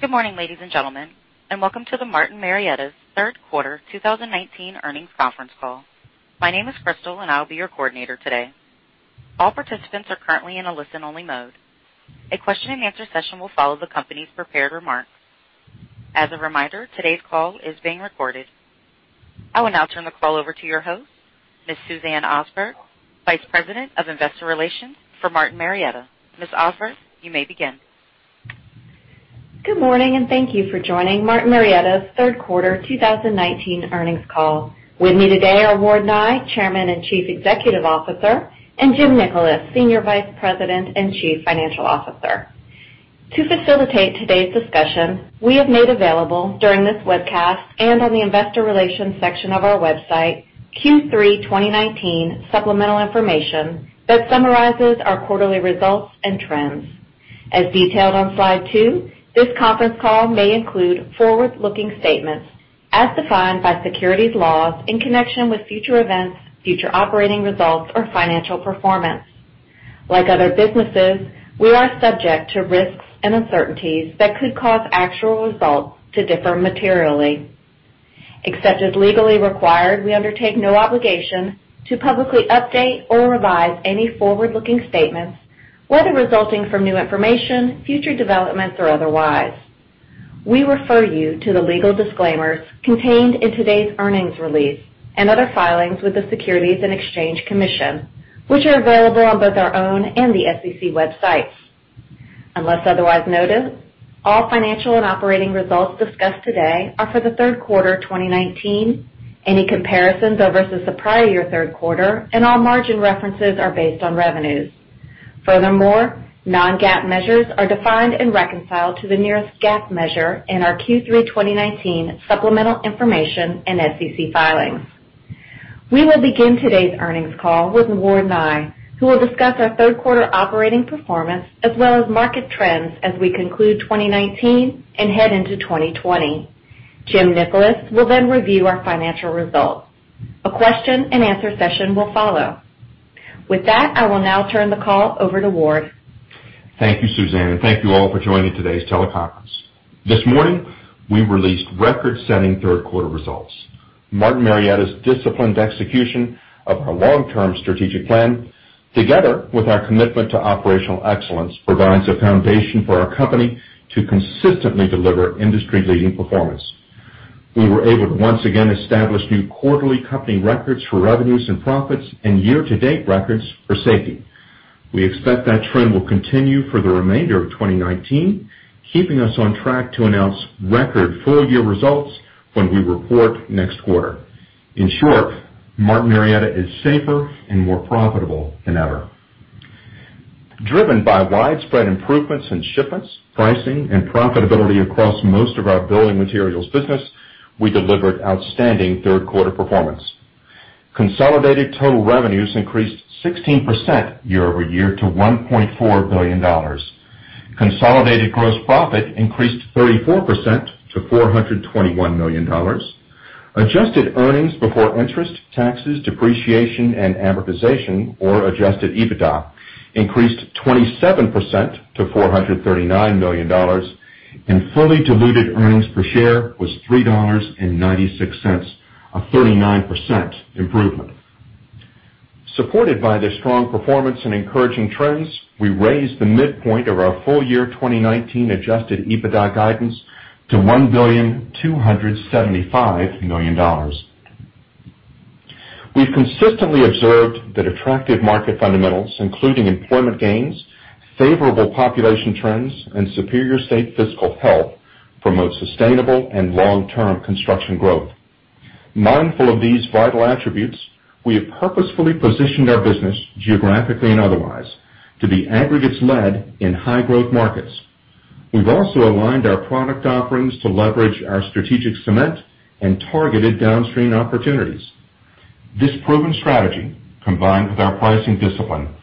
Good morning, ladies and gentlemen, and welcome to the Martin Marietta's third quarter 2019 earnings conference call. My name is Crystal, and I will be your coordinator today. All participants are currently in a listen-only mode. A question and answer session will follow the company's prepared remarks. As a reminder, today's call is being recorded. I will now turn the call over to your host, Ms. Suzanne Osberg, Vice President of Investor Relations for Martin Marietta. Ms. Osberg, you may begin. Good morning, thank you for joining Martin Marietta's third quarter 2019 earnings call. With me today are Ward Nye, Chairman and Chief Executive Officer, and Jim Nickolas, Senior Vice President and Chief Financial Officer. To facilitate today's discussion, we have made available during this webcast and on the investor relations section of our website Q3 2019 supplemental information that summarizes our quarterly results and trends. As detailed on slide two, this conference call may include forward-looking statements as defined by securities laws in connection with future events, future operating results, or financial performance. Like other businesses, we are subject to risks and uncertainties that could cause actual results to differ materially. Except as legally required, we undertake no obligation to publicly update or revise any forward-looking statements, whether resulting from new information, future developments, or otherwise. We refer you to the legal disclaimers contained in today's earnings release and other filings with the Securities and Exchange Commission, which are available on both our own and the SEC websites. Unless otherwise noted, all financial and operating results discussed today are for the third quarter 2019. Any comparisons are versus the prior year third quarter, and all margin references are based on revenues. Non-GAAP measures are defined and reconciled to the nearest GAAP measure in our Q3 2019 supplemental information and SEC filings. We will begin today's earnings call with Ward Nye, who will discuss our third quarter operating performance as well as market trends as we conclude 2019 and head into 2020. Jim Nickolas will review our financial results. A question and answer session will follow. With that, I will now turn the call over to Ward. Thank you, Suzanne, and thank you all for joining today's teleconference. This morning, we released record-setting third quarter results. Martin Marietta's disciplined execution of our long-term strategic plan, together with our commitment to operational excellence, provides a foundation for our company to consistently deliver industry-leading performance. We were able to once again establish new quarterly company records for revenues and profits and year-to-date records for safety. We expect that trend will continue for the remainder of 2019, keeping us on track to announce record full-year results when we report next quarter. In short, Martin Marietta is safer and more profitable than ever. Driven by widespread improvements in shipments, pricing, and profitability across most of our building materials business, we delivered outstanding third quarter performance. Consolidated total revenues increased 16% year-over-year to $1.4 billion. Consolidated gross profit increased 34% to $421 million. Adjusted earnings before interest, taxes, depreciation, and amortization, or adjusted EBITDA, increased 27% to $439 million, and fully diluted earnings per share was $3.96, a 39% improvement. Supported by the strong performance and encouraging trends, we raised the midpoint of our full year 2019 adjusted EBITDA guidance to $1,275,000,000. We've consistently observed that attractive market fundamentals, including employment gains, favorable population trends, and superior state fiscal health, promote sustainable and long-term construction growth. Mindful of these vital attributes, we have purposefully positioned our business, geographically and otherwise, to be aggregates led in high growth markets. We've also aligned our product offerings to leverage our strategic cement and targeted downstream opportunities. This proven strategy, combined with our pricing discipline,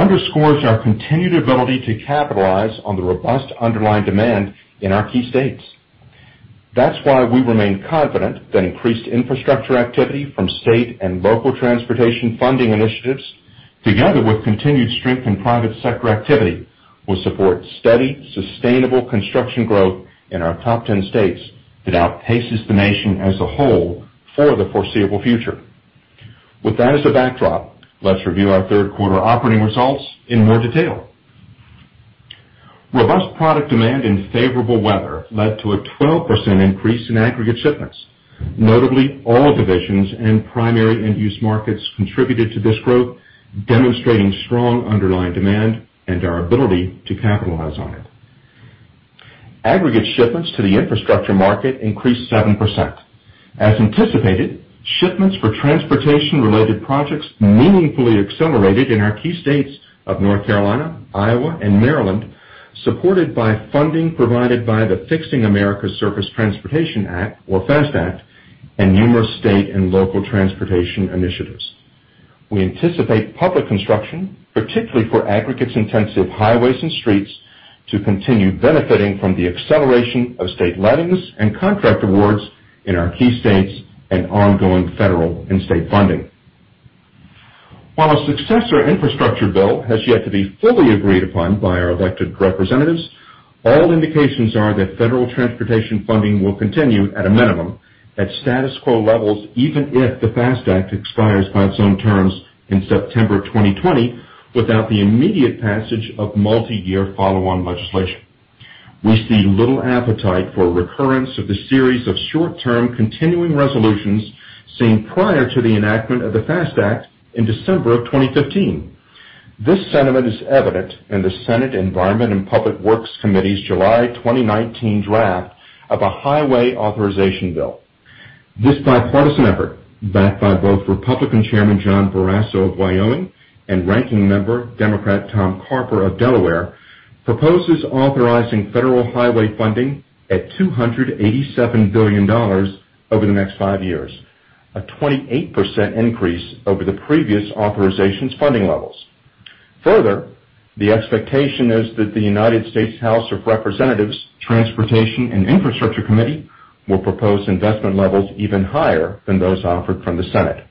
underscores our continued ability to capitalize on the robust underlying demand in our key states. That's why we remain confident that increased infrastructure activity from state and local transportation funding initiatives, together with continued strength in private sector activity, will support steady, sustainable construction growth in our top 10 states that outpaces the nation as a whole for the foreseeable future. With that as a backdrop, let's review our third quarter operating results in more detail. Robust product demand and favorable weather led to a 12% increase in aggregate shipments. Notably, all divisions and primary end-use markets contributed to this growth, demonstrating strong underlying demand and our ability to capitalize on it. Aggregate shipments to the infrastructure market increased 7%. As anticipated, shipments for transportation-related projects meaningfully accelerated in our key states of North Carolina, Iowa, and Maryland, supported by funding provided by the Fixing America's Surface Transportation Act, or FAST Act, and numerous state and local transportation initiatives. We anticipate public construction, particularly for aggregates intensive highways and streets, to continue benefiting from the acceleration of state lettings and contract awards in our key states and ongoing federal and state funding. While a successor infrastructure bill has yet to be fully agreed upon by our elected representatives, all indications are that federal transportation funding will continue at a minimum, at status quo levels, even if the FAST Act expires by its own terms in September 2020, without the immediate passage of multi-year follow-on legislation. We see little appetite for recurrence of the series of short-term continuing resolutions seen prior to the enactment of the FAST Act in December of 2015. This sentiment is evident in the U.S. Senate Committee on Environment and Public Works' July 2019 draft of a highway authorization bill. This bipartisan effort, backed by both Republican Chairman John Barrasso of Wyoming and ranking member, Democrat Tom Carper of Delaware, proposes authorizing federal highway funding at $287 billion over the next five years, a 28% increase over the previous authorization's funding levels. Further, the expectation is that the U.S. House of Representatives Committee on Transportation and Infrastructure will propose investment levels even higher than those offered from the Senate.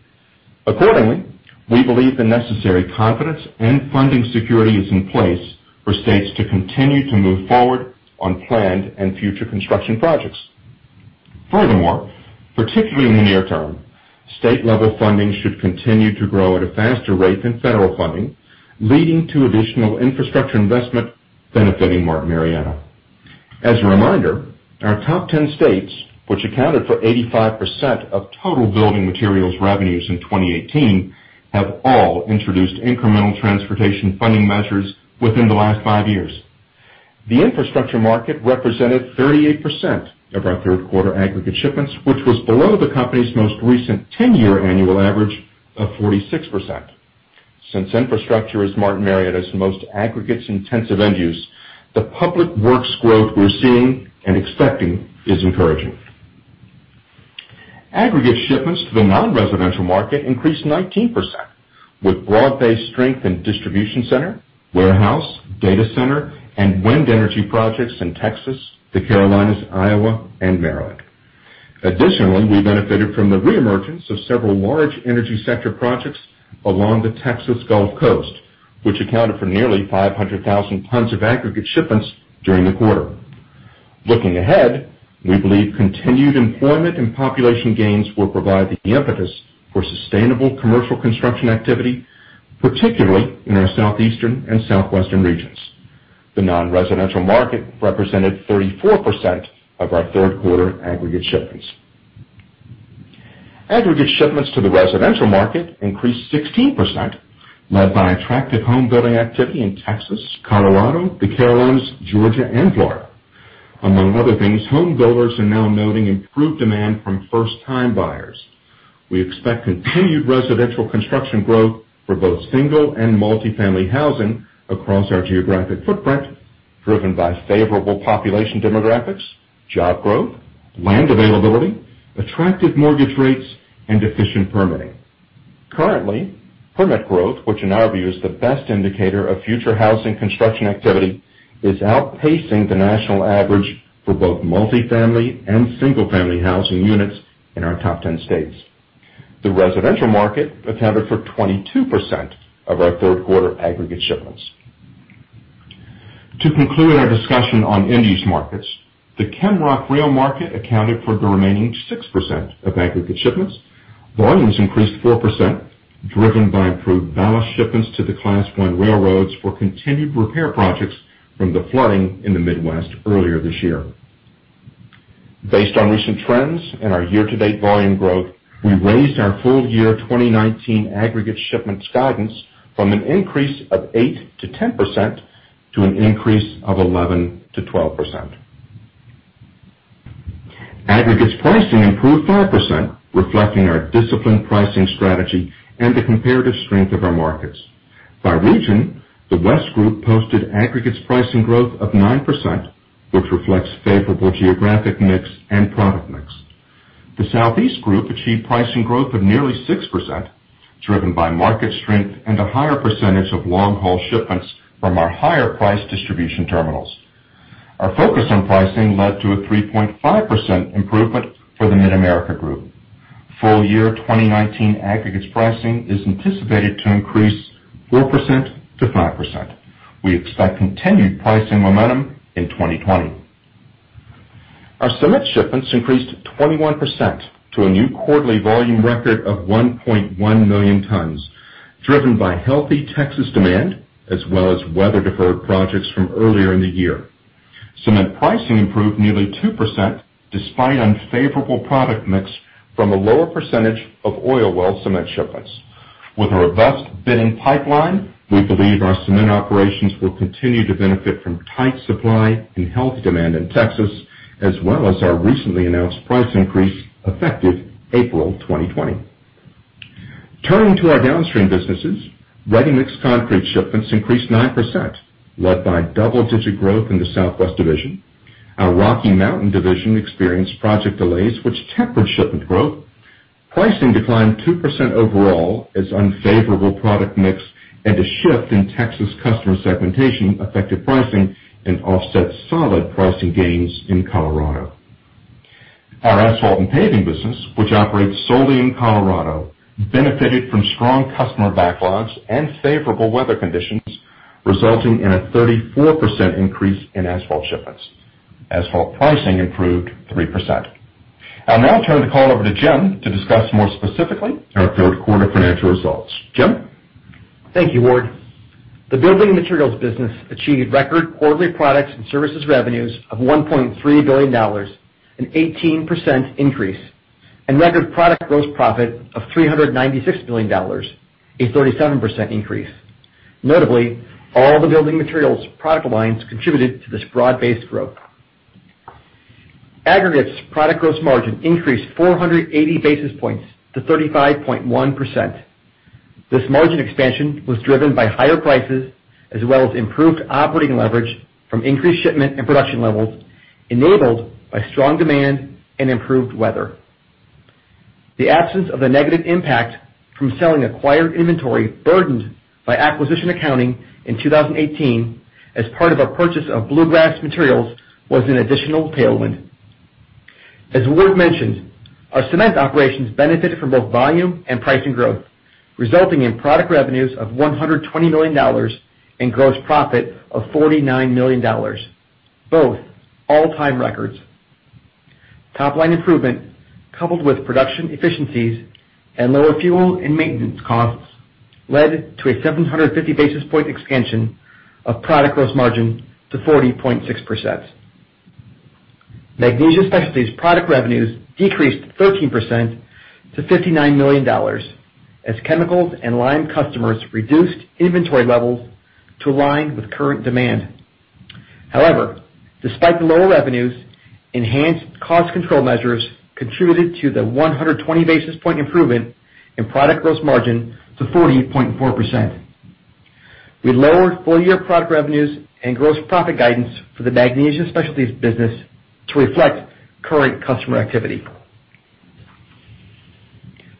Accordingly, we believe the necessary confidence and funding security is in place for states to continue to move forward on planned and future construction projects. Furthermore, particularly in the near term, state level funding should continue to grow at a faster rate than federal funding, leading to additional infrastructure investment benefiting Martin Marietta. As a reminder, our top 10 states, which accounted for 85% of total building materials revenues in 2018, have all introduced incremental transportation funding measures within the last five years. The infrastructure market represented 38% of our third quarter aggregate shipments, which was below the company's most recent 10-year annual average of 46%. Since infrastructure is Martin Marietta's most aggregates intensive end use, the public works growth we're seeing and expecting is encouraging. Aggregate shipments to the non-residential market increased 19%, with broad-based strength in distribution center, warehouse, data center, and wind energy projects in Texas, the Carolinas, Iowa, and Maryland. Additionally, we benefited from the re-emergence of several large energy sector projects along the Texas Gulf Coast, which accounted for nearly 500,000 tons of aggregate shipments during the quarter. Looking ahead, we believe continued employment and population gains will provide the impetus for sustainable commercial construction activity, particularly in our Southeastern and Southwestern regions. The non-residential market represented 34% of our third quarter aggregate shipments. Aggregate shipments to the residential market increased 16%, led by attractive home building activity in Texas, Colorado, the Carolinas, Georgia, and Florida. Among other things, home builders are now noting improved demand from first time buyers. We expect continued residential construction growth for both single and multi-family housing across our geographic footprint, driven by favorable population demographics, job growth, land availability, attractive mortgage rates, and efficient permitting. Currently, permit growth, which in our view is the best indicator of future housing construction activity, is outpacing the national average for both multi-family and single-family housing units in our top 10 states. The residential market accounted for 22% of our third quarter aggregate shipments. To conclude our discussion on end-use markets, the ChemRock Rail market accounted for the remaining 6% of aggregate shipments. Volumes increased 4%, driven by improved ballast shipments to the Class I railroads for continued repair projects from the flooding in the Midwest earlier this year. Based on recent trends and our year-to-date volume growth, we raised our full year 2019 aggregate shipments guidance from an increase of 8%-10%, to an increase of 11%-12%. Aggregates pricing improved 5%, reflecting our disciplined pricing strategy and the comparative strength of our markets. By region, the West Group posted aggregates pricing growth of 9%, which reflects favorable geographic mix and product mix. The Southeast Group achieved pricing growth of nearly 6%, driven by market strength and a higher percentage of long-haul shipments from our higher priced distribution terminals. Our focus on pricing led to a 3.5% improvement for the Mid-America Group. Full year 2019 aggregates pricing is anticipated to increase 4%-5%. We expect continued pricing momentum in 2020. Our cement shipments increased 21% to a new quarterly volume record of 1.1 million tons, driven by healthy Texas demand as well as weather deferred projects from earlier in the year. Cement pricing improved nearly 2%, despite unfavorable product mix from a lower percentage of oil well cement shipments. With a robust bidding pipeline, we believe our cement operations will continue to benefit from tight supply and healthy demand in Texas, as well as our recently announced price increase effective April 2020. Turning to our downstream businesses, ready-mix concrete shipments increased 9%, led by double digit growth in the Southwest division. Our Rocky Mountain division experienced project delays, which tempered shipment growth. Pricing declined 2% overall as unfavorable product mix and a shift in Texas customer segmentation affected pricing and offset solid pricing gains in Colorado. Our asphalt and paving business, which operates solely in Colorado, benefited from strong customer backlogs and favorable weather conditions, resulting in a 34% increase in asphalt shipments. Asphalt pricing improved 3%. I'll now turn the call over to Jim to discuss more specifically our third quarter financial results. Jim? Thank you, Ward. The building materials business achieved record quarterly products and services revenues of $1.3 billion, an 18% increase, and record product gross profit of $396 million, a 37% increase. Notably, all the building materials product lines contributed to this broad-based growth. Aggregates product gross margin increased 480 basis points to 35.1%. This margin expansion was driven by higher prices as well as improved operating leverage from increased shipment and production levels, enabled by strong demand and improved weather. The absence of the negative impact from selling acquired inventory burdened by acquisition accounting in 2018 as part of our purchase of Bluegrass Materials was an additional tailwind. As Ward mentioned, our cement operations benefited from both volume and pricing growth, resulting in product revenues of $120 million and gross profit of $49 million, both all-time records. Top-line improvement, coupled with production efficiencies and lower fuel and maintenance costs, led to a 750 basis point expansion of product gross margin to 40.6%. Magnesia Specialties product revenues decreased 13% to $59 million, as chemicals and lime customers reduced inventory levels to align with current demand. Despite the lower revenues, enhanced cost control measures contributed to the 120 basis point improvement in product gross margin to 40.4%. We lowered full-year product revenues and gross profit guidance for the Magnesia Specialties business to reflect current customer activity.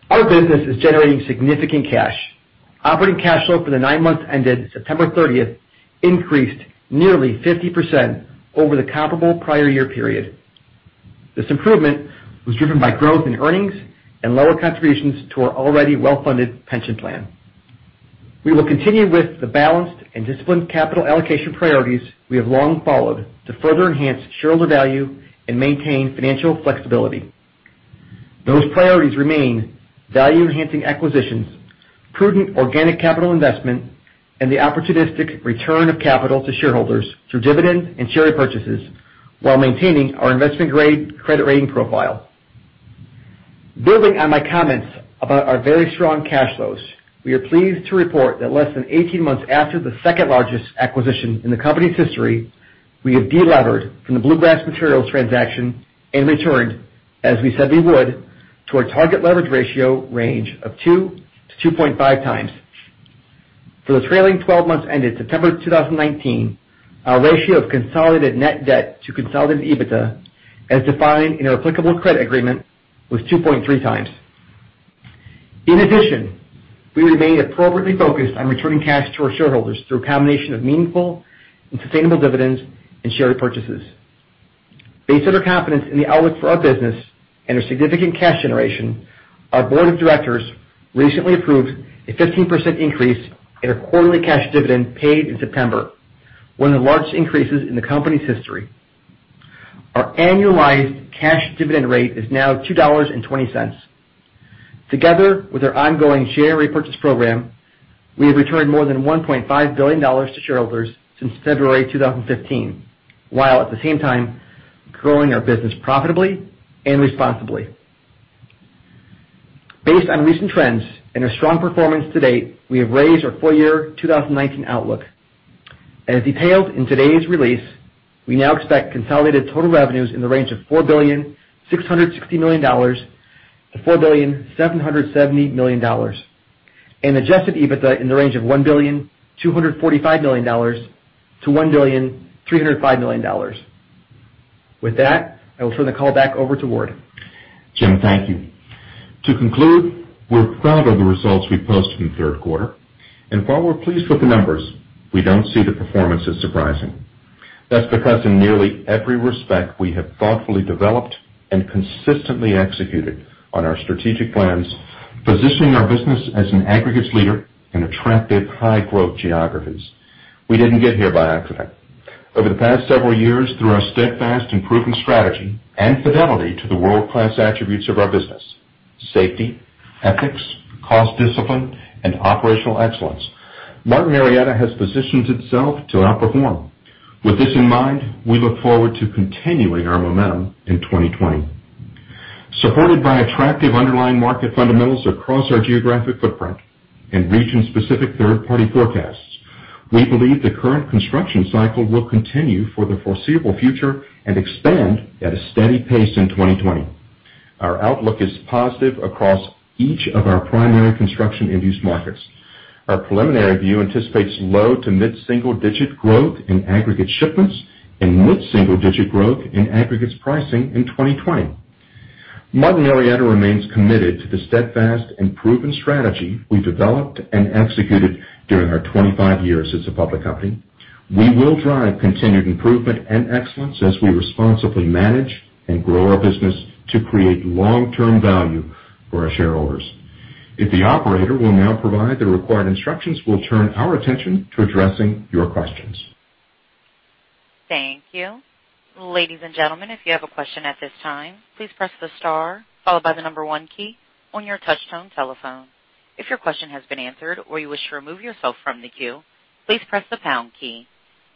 Our business is generating significant cash. Operating cash flow for the nine months ended September 30th increased nearly 50% over the comparable prior year period. This improvement was driven by growth in earnings and lower contributions to our already well-funded pension plan. We will continue with the balanced and disciplined capital allocation priorities we have long followed to further enhance shareholder value and maintain financial flexibility. Those priorities remain value-enhancing acquisitions, prudent organic capital investment, and the opportunistic return of capital to shareholders through dividends and share repurchases while maintaining our investment-grade credit rating profile. Building on my comments about our very strong cash flows, we are pleased to report that less than 18 months after the second-largest acquisition in the company's history, we have de-levered from the Bluegrass Materials transaction and returned, as we said we would, to our target leverage ratio range of two to 2.5 times. For the trailing 12 months ended September 2019, our ratio of consolidated net debt to consolidated EBITDA, as defined in our applicable credit agreement, was 2.3 times. In addition, we remain appropriately focused on returning cash to our shareholders through a combination of meaningful and sustainable dividends and share repurchases. Based on our confidence in the outlook for our business and our significant cash generation, our board of directors recently approved a 15% increase in our quarterly cash dividend paid in September, one of the largest increases in the company's history. Our annualized cash dividend rate is now $2.20. Together with our ongoing share repurchase program, we have returned more than $1.5 billion to shareholders since February 2015, while at the same time growing our business profitably and responsibly. Based on recent trends and our strong performance to date, we have raised our full-year 2019 outlook. As detailed in today's release, we now expect consolidated total revenues in the range of $4.66 billion-$4.77 billion, and adjusted EBITDA in the range of $1.245 billion-$1.305 billion. With that, I will turn the call back over to Ward. Jim, thank you. To conclude, we're proud of the results we posted in the third quarter, and while we're pleased with the numbers, we don't see the performance as surprising. That's because in nearly every respect, we have thoughtfully developed and consistently executed on our strategic plans, positioning our business as an aggregates leader in attractive high-growth geographies. We didn't get here by accident. Over the past several years, through our steadfast and proven strategy and fidelity to the world-class attributes of our business, safety, ethics, cost discipline, and operational excellence, Martin Marietta has positioned itself to outperform. With this in mind, we look forward to continuing our momentum in 2020. Supported by attractive underlying market fundamentals across our geographic footprint and region-specific third-party forecasts, we believe the current construction cycle will continue for the foreseeable future and expand at a steady pace in 2020. Our outlook is positive across each of our primary construction end-use markets. Our preliminary view anticipates low to mid single-digit growth in aggregate shipments and mid single-digit growth in aggregates pricing in 2020. Martin Marietta remains committed to the steadfast and proven strategy we developed and executed during our 25 years as a public company. We will drive continued improvement and excellence as we responsibly manage and grow our business to create long-term value for our shareholders. If the operator will now provide the required instructions, we'll turn our attention to addressing your questions. Thank you. Ladies and gentlemen, if you have a question at this time, please press the star followed by the number 1 key on your touch-tone telephone. If your question has been answered or you wish to remove yourself from the queue, please press the pound key.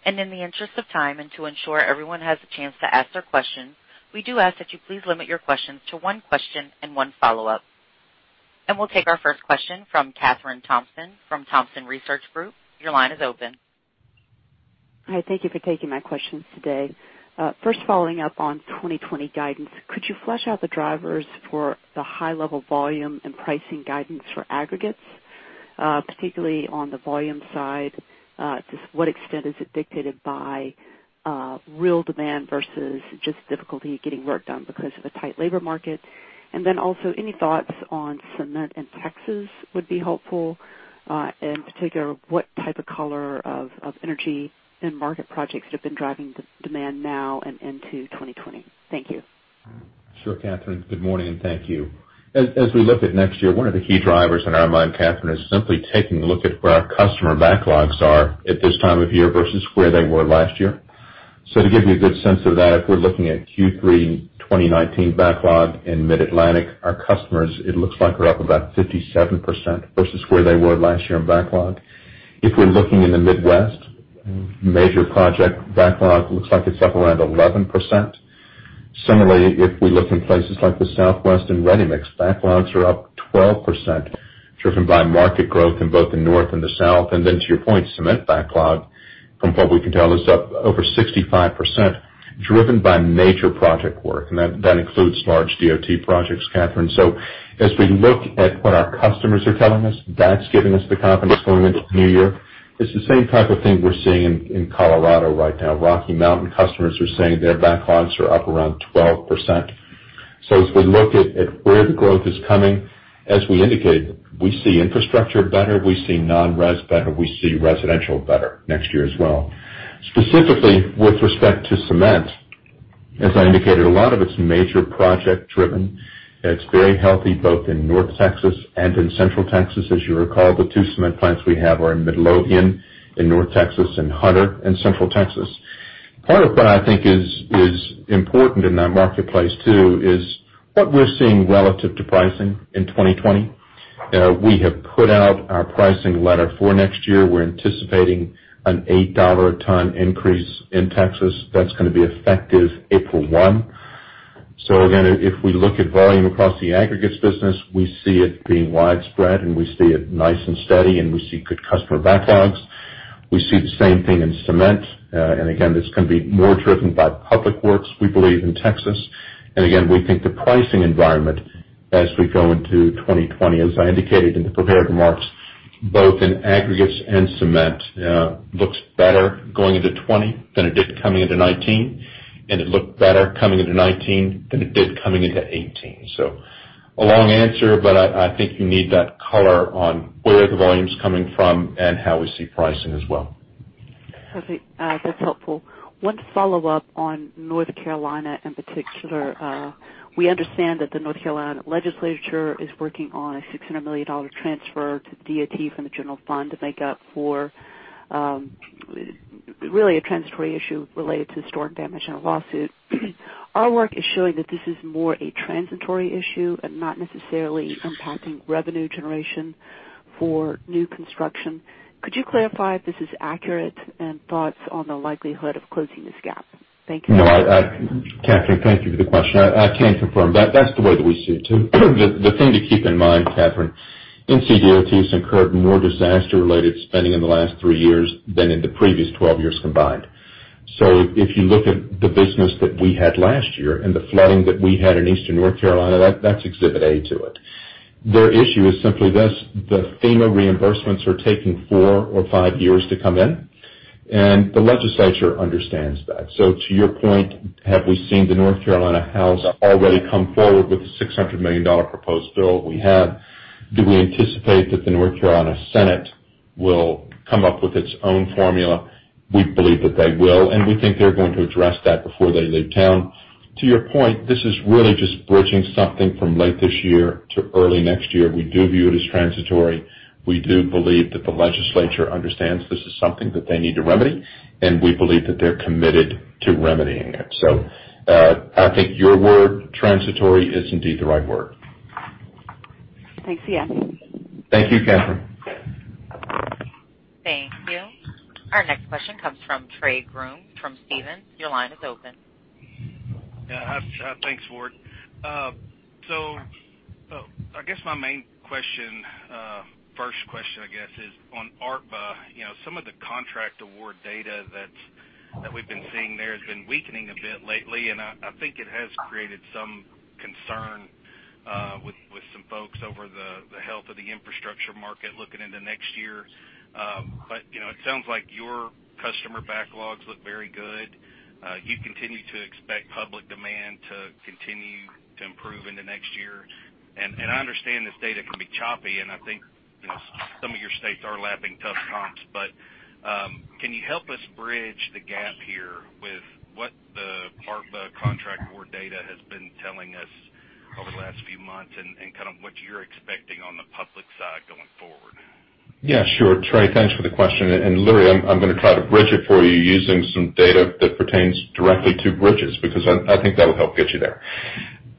In the interest of time, and to ensure everyone has a chance to ask their question, we do ask that you please limit your questions to 1 question and 1 follow-up. We'll take our first question from Kathryn Thompson from Thompson Research Group. Your line is open. Hi, thank you for taking my questions today. First following up on 2020 guidance. Could you flesh out the drivers for the high level volume and pricing guidance for aggregates? Particularly on the volume side, to what extent is it dictated by real demand versus just difficulty getting work done because of a tight labor market? Also any thoughts on cement in Texas would be helpful. In particular, what type of color of energy and market projects have been driving demand now and into 2020? Thank you. Sure, Kathryn. Good morning and thank you. As we look at next year, one of the key drivers on our mind, Kathryn, is simply taking a look at where our customer backlogs are at this time of year versus where they were last year. To give you a good sense of that, if we're looking at Q3 2019 backlog in Mid-Atlantic, our customers, it looks like, are up about 57% versus where they were last year in backlog. If we're looking in the Midwest, major project backlog looks like it's up around 11%. Similarly, if we look in places like the Southwest and ready-mix, backlogs are up 12%, driven by market growth in both the North and the South. To your point, cement backlog, from what we can tell, is up over 65%, driven by major project work. That includes large DOT projects, Kathryn. As we look at what our customers are telling us, that's giving us the confidence going into the new year. It's the same type of thing we're seeing in Colorado right now. rocky mountain customers are saying their backlogs are up around 12%. As we look at where the growth is coming, as we indicated, we see infrastructure better, we see non-res better, we see residential better next year as well. Specifically, with respect to cement, as I indicated, a lot of it's major project driven. It's very healthy both in North Texas and in Central Texas. As you recall, the two cement plants we have are in Midlothian in North Texas and Hunter in Central Texas. Part of what I think is important in that marketplace too, is what we're seeing relative to pricing in 2020. We have put out our pricing letter for next year. We're anticipating an $8 a ton increase in Texas. That's going to be effective April 1. Again, if we look at volume across the aggregates business, we see it being widespread, and we see it nice and steady, and we see good customer backlogs. We see the same thing in cement. Again, it's going to be more driven by public works, we believe, in Texas. Again, we think the pricing environment as we go into 2020, as I indicated in the prepared remarks, both in aggregates and cement looks better going into 2020 than it did coming into 2019, and it looked better coming into 2019 than it did coming into 2018. A long answer, but I think you need that color on where the volume's coming from and how we see pricing as well. Perfect. That's helpful. One follow-up on North Carolina in particular. We understand that the North Carolina Legislature is working on a $600 million transfer to the DOT from the general fund to make up for really a transitory issue related to storm damage and a lawsuit. Our work is showing that this is more a transitory issue and not necessarily impacting revenue generation for new construction. Could you clarify if this is accurate and thoughts on the likelihood of closing this gap? Thank you. No, Kathryn, thank you for the question. I can confirm. That's the way that we see it, too. The thing to keep in mind, Kathryn, NCDOT's incurred more disaster related spending in the last three years than in the previous 12 years combined. If you look at the business that we had last year and the flooding that we had in Eastern North Carolina, that's exhibit A to it. Their issue is simply this, the FEMA reimbursements are taking four or five years to come in, and the legislature understands that. To your point, have we seen the North Carolina House already come forward with a $600 million proposed bill? We have. Do we anticipate that the North Carolina Senate will come up with its own formula? We believe that they will, and we think they're going to address that before they leave town. To your point, this is really just bridging something from late this year to early next year. We do view it as transitory. We do believe that the legislature understands this is something that they need to remedy, and we believe that they're committed to remedying it. I think your word transitory is indeed the right word. Thanks. See ya. Thank you, Kathryn. Thank you. Our next question comes from Trey Grooms from Stephens. Your line is open. Yeah. Thanks, Ward. I guess my main question, first question, I guess is on ARTBA. Some of the contract award data that we've been seeing there has been weakening a bit lately, and I think it has created some concern with some folks over the health of the infrastructure market looking into next year. It sounds like your customer backlogs look very good. You continue to expect public demand to continue to improve into next year. I understand this data can be choppy, I think some of your states are lapping tough comps, can you help us bridge the gap here with what the ARTBA contract award data has been telling us over the last few months, and what you're expecting on the public side going forward? Yeah, sure. Trey, thanks for the question. Literally, I'm going to try to bridge it for you using some data that pertains directly to bridges, because I think that'll help get you there.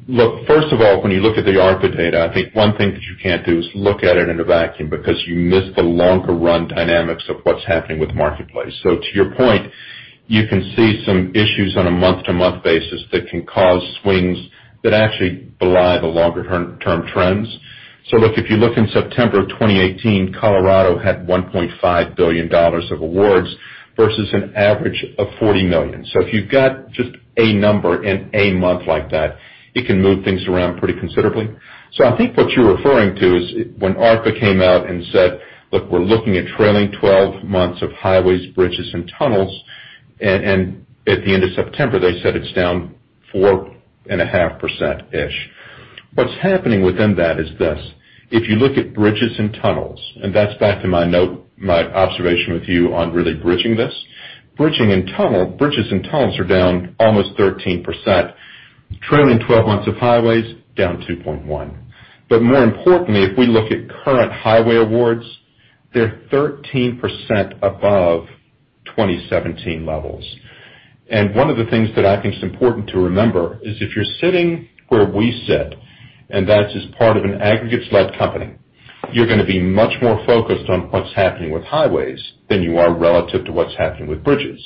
Look, first of all, when you look at the ARTBA data, I think one thing that you can't do is look at it in a vacuum because you miss the longer run dynamics of what's happening with the marketplace. To your point, you can see some issues on a month-to-month basis that can cause swings that actually belie the longer term trends. Look, if you look in September of 2018, Colorado had $1.5 billion of awards versus an average of $40 million. If you've got just a number and a month like that, it can move things around pretty considerably. I think what you're referring to is when ARTBA came out and said, "Look, we're looking at trailing 12 months of highways, bridges, and tunnels." At the end of September, they said it's down 4.5%-ish. What's happening within that is this, if you look at bridges and tunnels, and that's back to my observation with you on really bridging this, bridges and tunnels are down almost 13%. Trailing 12 months of highways, down 2.1%. More importantly, if we look at current highway awards, they're 13% above 2017 levels. One of the things that I think is important to remember is if you're sitting where we sit, and that is part of an aggregates-led company, you're going to be much more focused on what's happening with highways than you are relative to what's happening with bridges.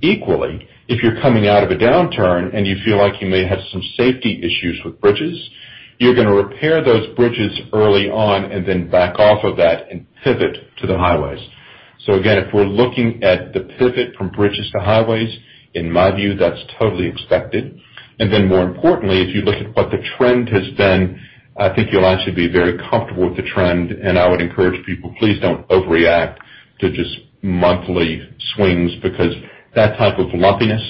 If you're coming out of a downturn and you feel like you may have some safety issues with bridges, you're going to repair those bridges early on back off of that and pivot to the highways. Again, if we're looking at the pivot from bridges to highways, in my view, that's totally expected. More importantly, if you look at what the trend has been, I think you'll actually be very comfortable with the trend, and I would encourage people, please don't overreact to just monthly swings because that type of lumpiness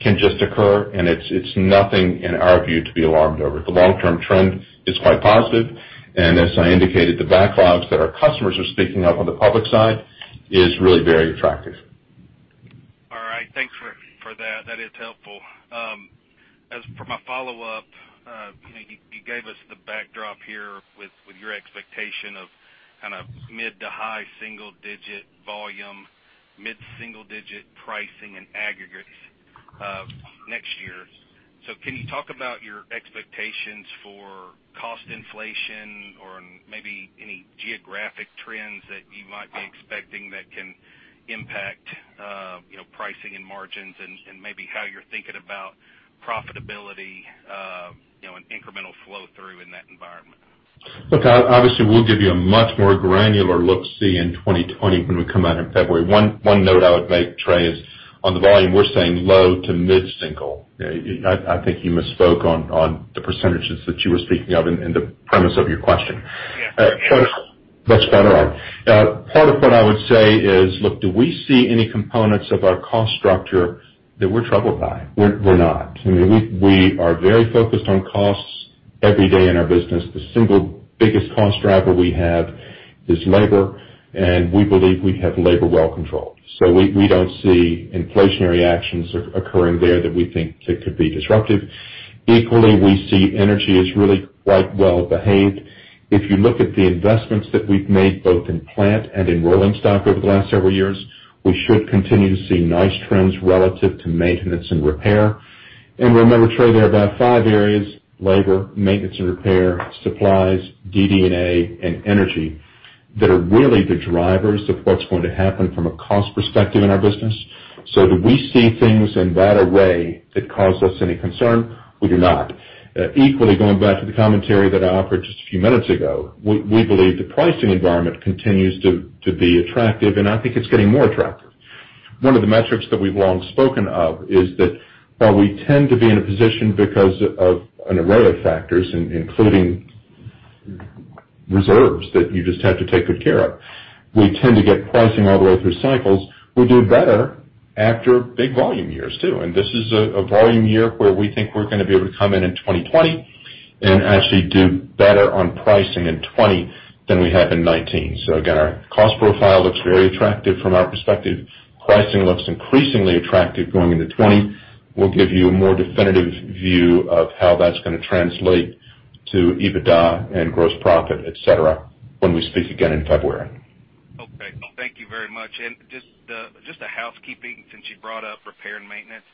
can just occur, and it's nothing, in our view, to be alarmed over. The long-term trend is quite positive. As I indicated, the backlogs that our customers are speaking of on the public side is really very attractive. All right. Thanks for that. That is helpful. As for my follow-up, you gave us the backdrop here with your expectation of mid to high single-digit volume, mid-single-digit pricing and aggregates next year. Can you talk about your expectations for cost inflation or maybe any geographic trends that you might be expecting that can impact pricing and margins and maybe how you're thinking about profitability, and incremental flow-through in that environment? Look, obviously, we'll give you a much more granular look-see in 2020 when we come out in February. One note I would make, Trey, is on the volume, we're saying low to mid-single. I think you misspoke on the percentages that you were speaking of in the premise of your question. Yeah. That's better. Part of what I would say is, look, do we see any components of our cost structure that we're troubled by? We're not. We are very focused on costs every day in our business. The single biggest cost driver we have is labor, and we believe we have labor well controlled. We don't see inflationary actions occurring there that we think could be disruptive. Equally, we see energy as really quite well behaved. If you look at the investments that we've made both in plant and in rolling stock over the last several years, we should continue to see nice trends relative to maintenance and repair. Remember, Trey, there are about five areas, labor, maintenance and repair, supplies, DD&A, and energy, that are really the drivers of what's going to happen from a cost perspective in our business. Do we see things in that array that cause us any concern? We do not. Equally, going back to the commentary that I offered just a few minutes ago, we believe the pricing environment continues to be attractive, and I think it's getting more attractive. One of the metrics that we've long spoken of is that while we tend to be in a position because of an array of factors, including reserves that you just have to take good care of, we tend to get pricing all the way through cycles. We do better after big volume years, too. This is a volume year where we think we're going to be able to come in in 2020 and actually do better on pricing in 2020 than we have in 2019. Again, our cost profile looks very attractive from our perspective. Pricing looks increasingly attractive going into 2020. We'll give you a more definitive view of how that's going to translate to EBITDA and gross profit, et cetera, when we speak again in February. Okay. Thank you very much. Just a housekeeping, since you brought up repair and maintenance.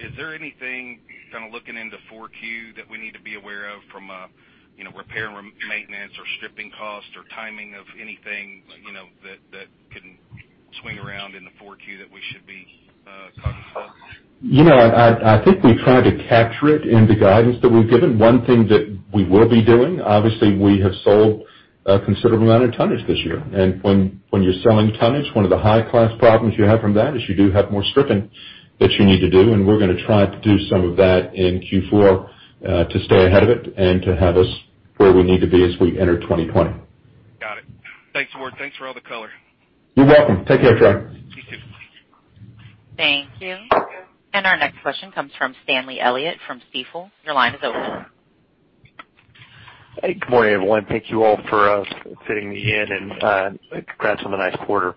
Is there anything kind of looking into 4Q that we need to be aware of from repair and maintenance or stripping cost or timing of anything that can swing around in the 4Q that we should be cognizant of? I think we try to capture it in the guidance that we've given. One thing that we will be doing, obviously, we have sold a considerable amount of tonnage this year. When you're selling tonnage, one of the high-class problems you have from that is you do have more stripping that you need to do. We're going to try to do some of that in Q4 to stay ahead of it and to have us where we need to be as we enter 2020. Got it. Thanks, Ward. Thanks for all the color. You're welcome. Take care, Trey. You too. Thank you. Our next question comes from Stanley Elliott from Stifel. Your line is open. Hey, good morning, everyone. Thank you all for fitting me in, and congrats on the nice quarter.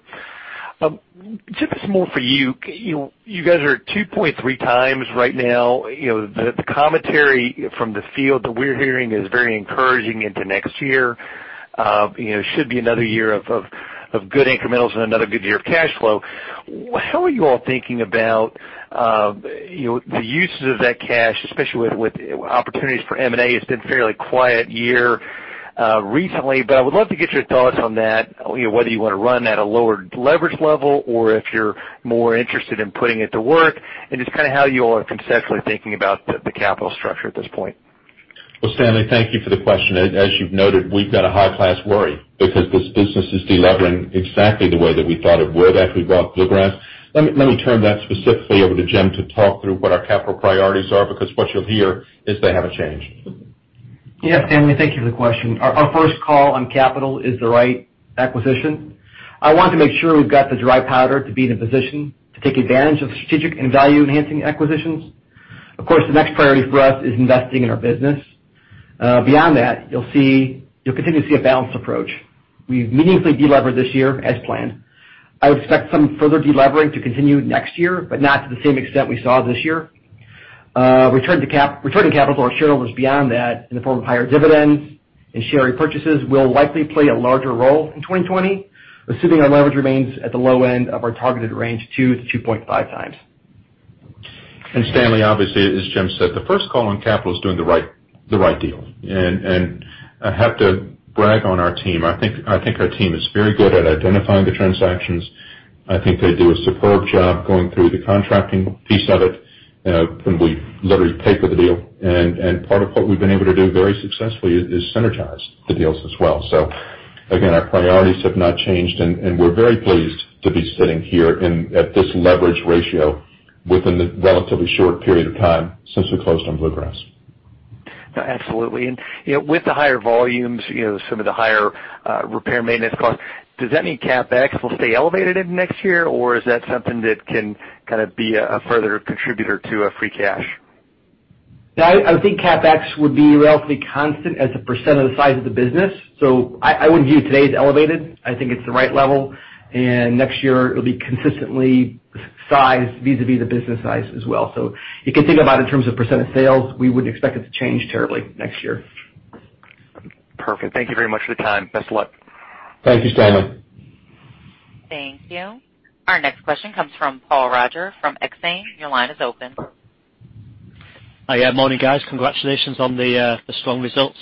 Jim, this is more for you. You guys are 2.3x right now. The commentary from the field that we're hearing is very encouraging into next year. Should be another year of good incrementals and another good year of cash flow. How are you all thinking about the uses of that cash, especially with opportunities for M&A? It's been a fairly quiet year recently, but I would love to get your thoughts on that, whether you want to run at a lower leverage level or if you're more interested in putting it to work, and just how you all are conceptually thinking about the capital structure at this point. Stanley, thank you for the question. As you've noted, we've got a high-class worry because this business is de-levering exactly the way that we thought it would after we bought Bluegrass. Let me turn that specifically over to Jim to talk through what our capital priorities are, because what you'll hear is they haven't changed. Stanley, thank you for the question. Our first call on capital is the right acquisition. I want to make sure we've got the dry powder to be in a position to take advantage of strategic and value-enhancing acquisitions. Of course, the next priority for us is investing in our business. Beyond that, you'll continue to see a balanced approach. We've meaningfully de-levered this year as planned. I would expect some further de-levering to continue next year, but not to the same extent we saw this year. Returning capital to our shareholders beyond that in the form of higher dividends and share repurchases will likely play a larger role in 2020, assuming our leverage remains at the low end of our targeted range, 2-2.5 times. Stanley, obviously, as Jim said, the first call on capital is doing the right deal. I have to brag on our team. I think our team is very good at identifying the transactions. I think they do a superb job going through the contracting piece of it when we literally paper the deal. Part of what we've been able to do very successfully is synergize the deals as well. Again, our priorities have not changed, and we're very pleased to be sitting here and at this leverage ratio within the relatively short period of time since we closed on Bluegrass. No, absolutely. With the higher volumes, some of the higher repair maintenance costs, does that mean CapEx will stay elevated in next year, or is that something that can be a further contributor to free cash? No, I think CapEx would be relatively constant as a % of the size of the business. I wouldn't view today as elevated. I think it's the right level. Next year it'll be consistently sized vis-à-vis the business size as well. You can think about it in terms of % of sales. We wouldn't expect it to change terribly next year. Perfect. Thank you very much for the time. Best of luck. Thank you, Stanley. Thank you. Our next question comes from Paul Roger from Exane. Your line is open. Hi. Yeah, morning, guys. Congratulations on the strong results.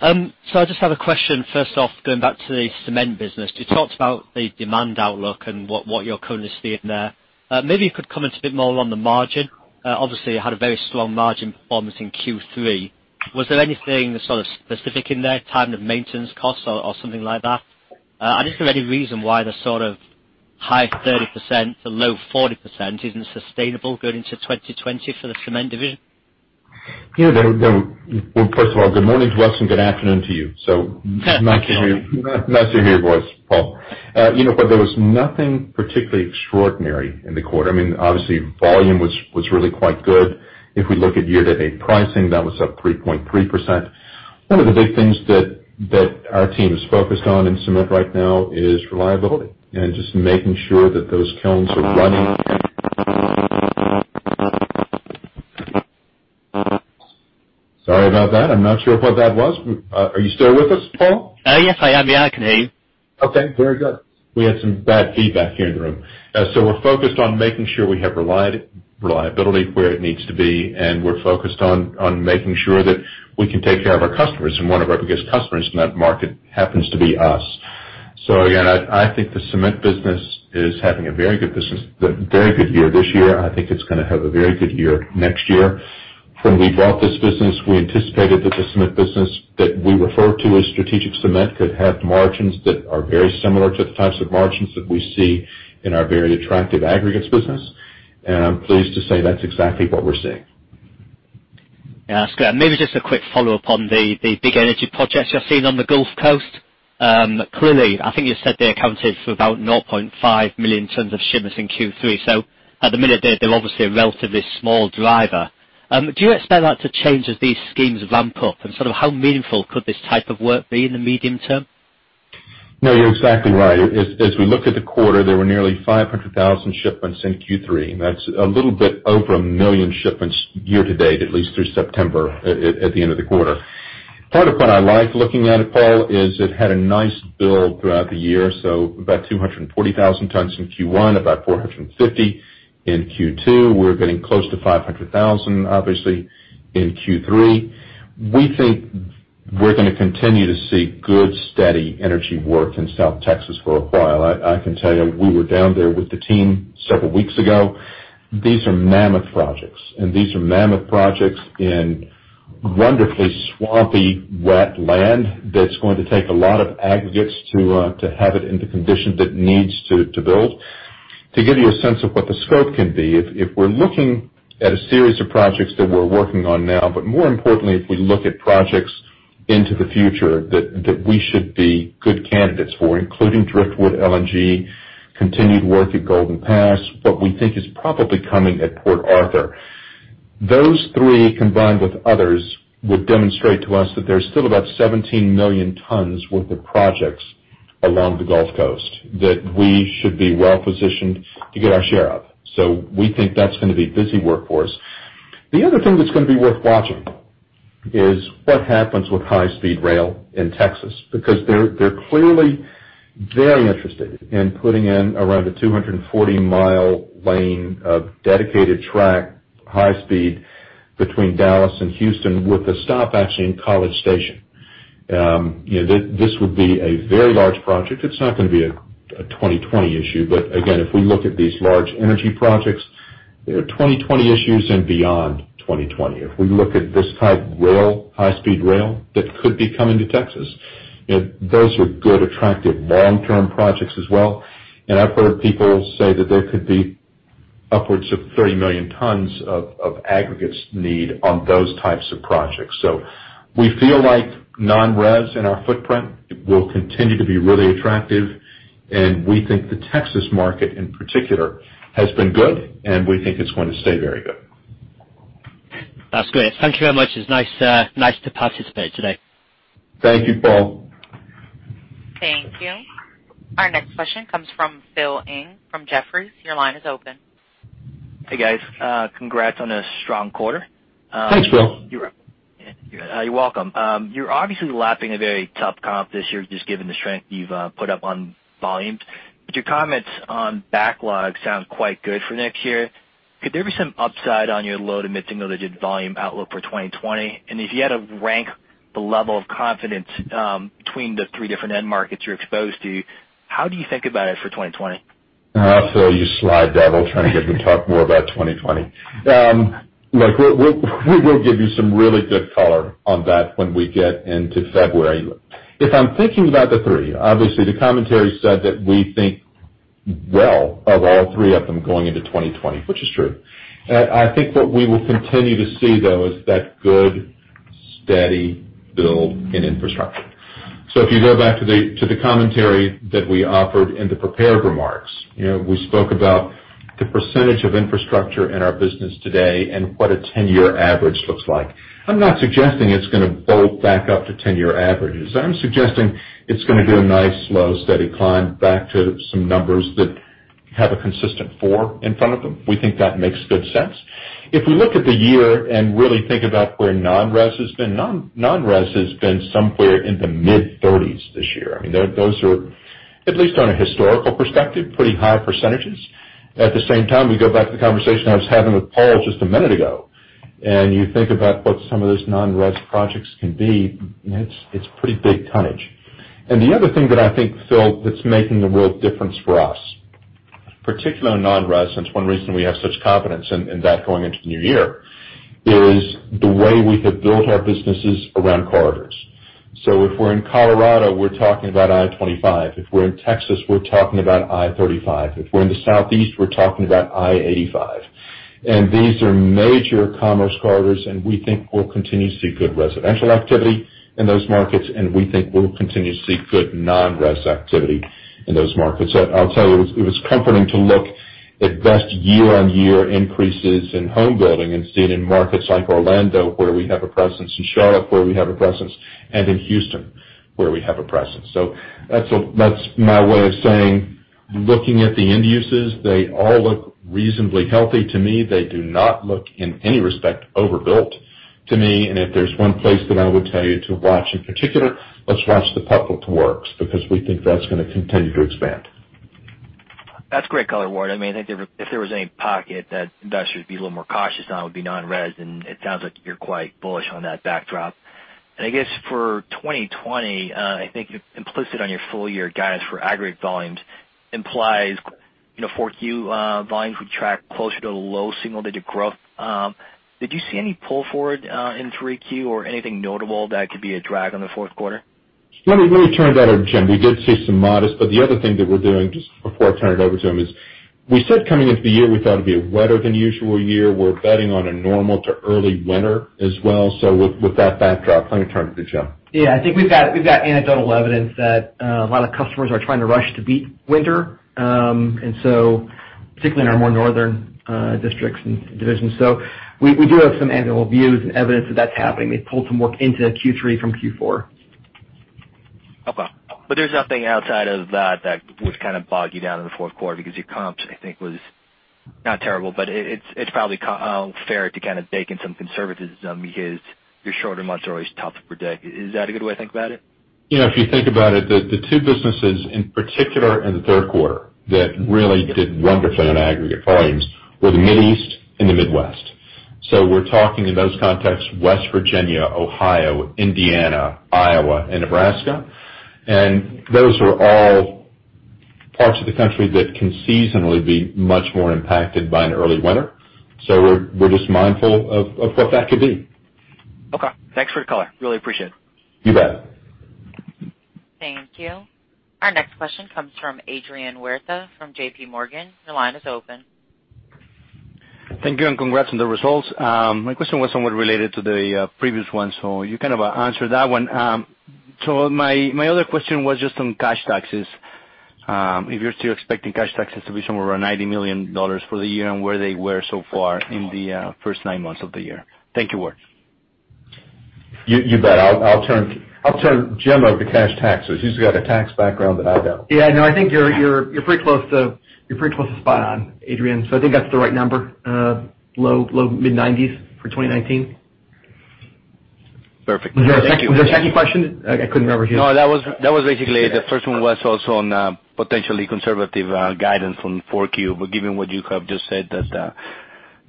I just have a question, first off, going back to the cement business. You talked about the demand outlook and what you're currently seeing there. Maybe you could comment a bit more on the margin. Obviously, you had a very strong margin performance in Q3. Was there anything specific in there, timed with maintenance costs or something like that? Is there any reason why the sort of high 30%-low 40% isn't sustainable going into 2020 for the cement division? Yeah. Well, first of all, good morning to us and good afternoon to you. Thank you. Nice to hear your voice, Paul. There was nothing particularly extraordinary in the quarter. Obviously, volume was really quite good. If we look at year-to-date pricing, that was up 3.3%. One of the big things that our team is focused on in cement right now is reliability and just making sure that those kilns are running. Sorry about that. I'm not sure what that was. Are you still with us, Paul? Yes, I am. Yeah, I can hear you. Okay, very good. We had some bad feedback here in the room. We're focused on making sure we have reliability where it needs to be, and we're focused on making sure that we can take care of our customers. One of our biggest customers in that market happens to be us. Again, I think the cement business is having a very good year this year, and I think it's going to have a very good year next year. When we bought this business, we anticipated that the cement business that we refer to as strategic cement could have margins that are very similar to the types of margins that we see in our very attractive aggregates business. I'm pleased to say that's exactly what we're seeing. Yeah, that's good. Maybe just a quick follow-up on the big energy projects you're seeing on the Gulf Coast. Clearly, I think you said they accounted for about 0.5 million tons of shipments in Q3. At the minute, they're obviously a relatively small driver. Do you expect that to change as these schemes ramp up? Sort of how meaningful could this type of work be in the medium term? No, you're exactly right. As we looked at the quarter, there were nearly 500,000 shipments in Q3, and that's a little bit over 1 million shipments year to date, at least through September, at the end of the quarter. Part of what I like looking at it, Paul, is it had a nice build throughout the year, so about 240,000 tons in Q1, about 450 in Q2. We're getting close to 500,000, obviously, in Q3. We think we're going to continue to see good, steady energy work in South Texas for a while. I can tell you, we were down there with the team several weeks ago. These are mammoth projects, and these are mammoth projects in wonderfully swampy, wet land that's going to take a lot of aggregates to have it in the condition that it needs to build. To give you a sense of what the scope can be, if we're looking at a series of projects that we're working on now. More importantly, if we look at projects into the future that we should be good candidates for, including Driftwood LNG, continued work at Golden Pass, what we think is probably coming at Port Arthur. Those three, combined with others, would demonstrate to us that there's still about 17 million tons worth of projects along the Gulf Coast that we should be well-positioned to get our share of. We think that's going to be a busy work for us. The other thing that's going to be worth watching is what happens with high-speed rail in Texas, because they're clearly very interested in putting in around a 240-mile lane of dedicated track, high speed, between Dallas and Houston, with a stop actually in College Station. This would be a very large project. It's not going to be a 2020 issue, but again, if we look at these large energy projects, they are 2020 issues and beyond 2020. If we look at this type of high-speed rail that could be coming to Texas, those are good, attractive long-term projects as well. I've heard people say that there could be upwards of 30 million tons of aggregates need on those types of projects. We feel like non-res in our footprint will continue to be really attractive, and we think the Texas market in particular has been good and we think it's going to stay very good. That's good. Thank you very much. It's nice to participate today. Thank you, Paul. Thank you. Our next question comes from Phil Ng from Jefferies. Your line is open. Hey, guys. Congrats on a strong quarter. Thanks, Phil. You're welcome. You're obviously lapping a very tough comp this year, just given the strength you've put up on volumes. Your comments on backlog sound quite good for next year. Could there be some upside on your load amidst the noted volume outlook for 2020? If you had to rank the level of confidence between the three different end markets you're exposed to, how do you think about it for 2020? Phil, you slide that. I'll try to get to talk more about 2020. Look, we will give you some really good color on that when we get into February. If I'm thinking about the three, obviously, the commentary said that we think well of all three of them going into 2020, which is true. I think what we will continue to see, though, is that good, steady build in infrastructure. If you go back to the commentary that we offered in the prepared remarks, we spoke about the percentage of infrastructure in our business today and what a 10-year average looks like. I'm not suggesting it's going to bolt back up to 10-year averages. I'm suggesting it's going to do a nice, low, steady climb back to some numbers that have a consistent four in front of them. We think that makes good sense. If we look at the year and really think about where non-res has been, non-res has been somewhere in the mid-30s this year. Those are, at least on a historical perspective, pretty high %. At the same time, we go back to the conversation I was having with Paul just a minute ago, and you think about what some of those non-res projects can be. It's pretty big tonnage. The other thing that I think, Phil, that's making a world of difference for us, particularly on non-res, that's one reason we have such confidence in that going into the new year, is the way we have built our businesses around corridors. If we're in Colorado, we're talking about I-25. If we're in Texas, we're talking about I-35. If we're in the Southeast, we're talking about I-85. These are major commerce corridors, and we think we'll continue to see good residential activity in those markets, and we think we'll continue to see good non-res activity in those markets. I'll tell you, it was comforting to look at best year-on-year increases in home building and see it in markets like Orlando, where we have a presence, in Charlotte, where we have a presence, and in Houston, where we have a presence. That's my way of saying, looking at the end uses, they all look reasonably healthy to me. They do not look, in any respect, overbuilt to me. If there's one place that I would tell you to watch in particular, let's watch the public works, because we think that's going to continue to expand. That's great color, Ward. I think if there was any pocket that investors would be a little more cautious on would be non-res, and it sounds like you're quite bullish on that backdrop. I guess for 2020, I think implicit on your full year guidance for aggregate volumes implies 4Q volumes would track closer to the low single-digit growth. Did you see any pull forward in 3Q or anything notable that could be a drag on the fourth quarter? Let me turn it over to Jim. We did see some modest, but the other thing that we're doing, just before I turn it over to him, is we said coming into the year, we thought it'd be a wetter than usual year. We're betting on a normal to early winter as well. With that backdrop, let me turn it to Jim. Yeah, I think we've got anecdotal evidence that a lot of customers are trying to rush to beat winter, particularly in our more northern districts and divisions. We do have some annual views and evidence that that's happening. They pulled some work into Q3 from Q4. Okay. There's nothing outside of that that would bog you down in the fourth quarter because your comps, I think, was not terrible, but it's probably fair to bake in some conservatism because your shorter months are always tough to predict. Is that a good way to think about it? If you think about it, the two businesses, in particular in the third quarter, that really did wonderfully on aggregate volumes were the Mideast and the Midwest. We're talking in those contexts, West Virginia, Ohio, Indiana, Iowa, and Nebraska. Those are all parts of the country that can seasonally be much more impacted by an early winter. We're just mindful of what that could be. Okay. Thanks for the color. Really appreciate it. You bet. Thank you. Our next question comes from Adrian Huerta from JPMorgan. Your line is open. Thank you. Congrats on the results. My question was somewhat related to the previous one. You kind of answered that one. My other question was just on cash taxes, if you're still expecting cash taxes to be somewhere around $90 million for the year and where they were so far in the first nine months of the year. Thank you, Ward. You bet. I'll turn Jim over to cash taxes. He's got a tax background that I don't. Yeah, no, I think you're pretty close to spot on, Adrian, so I think that's the right number, low-, mid-90s for 2019. Perfect. Was there a second question? I couldn't remember, Jim. No, that was basically it. The first one was also on potentially conservative guidance on 4Q, but given what you have just said, that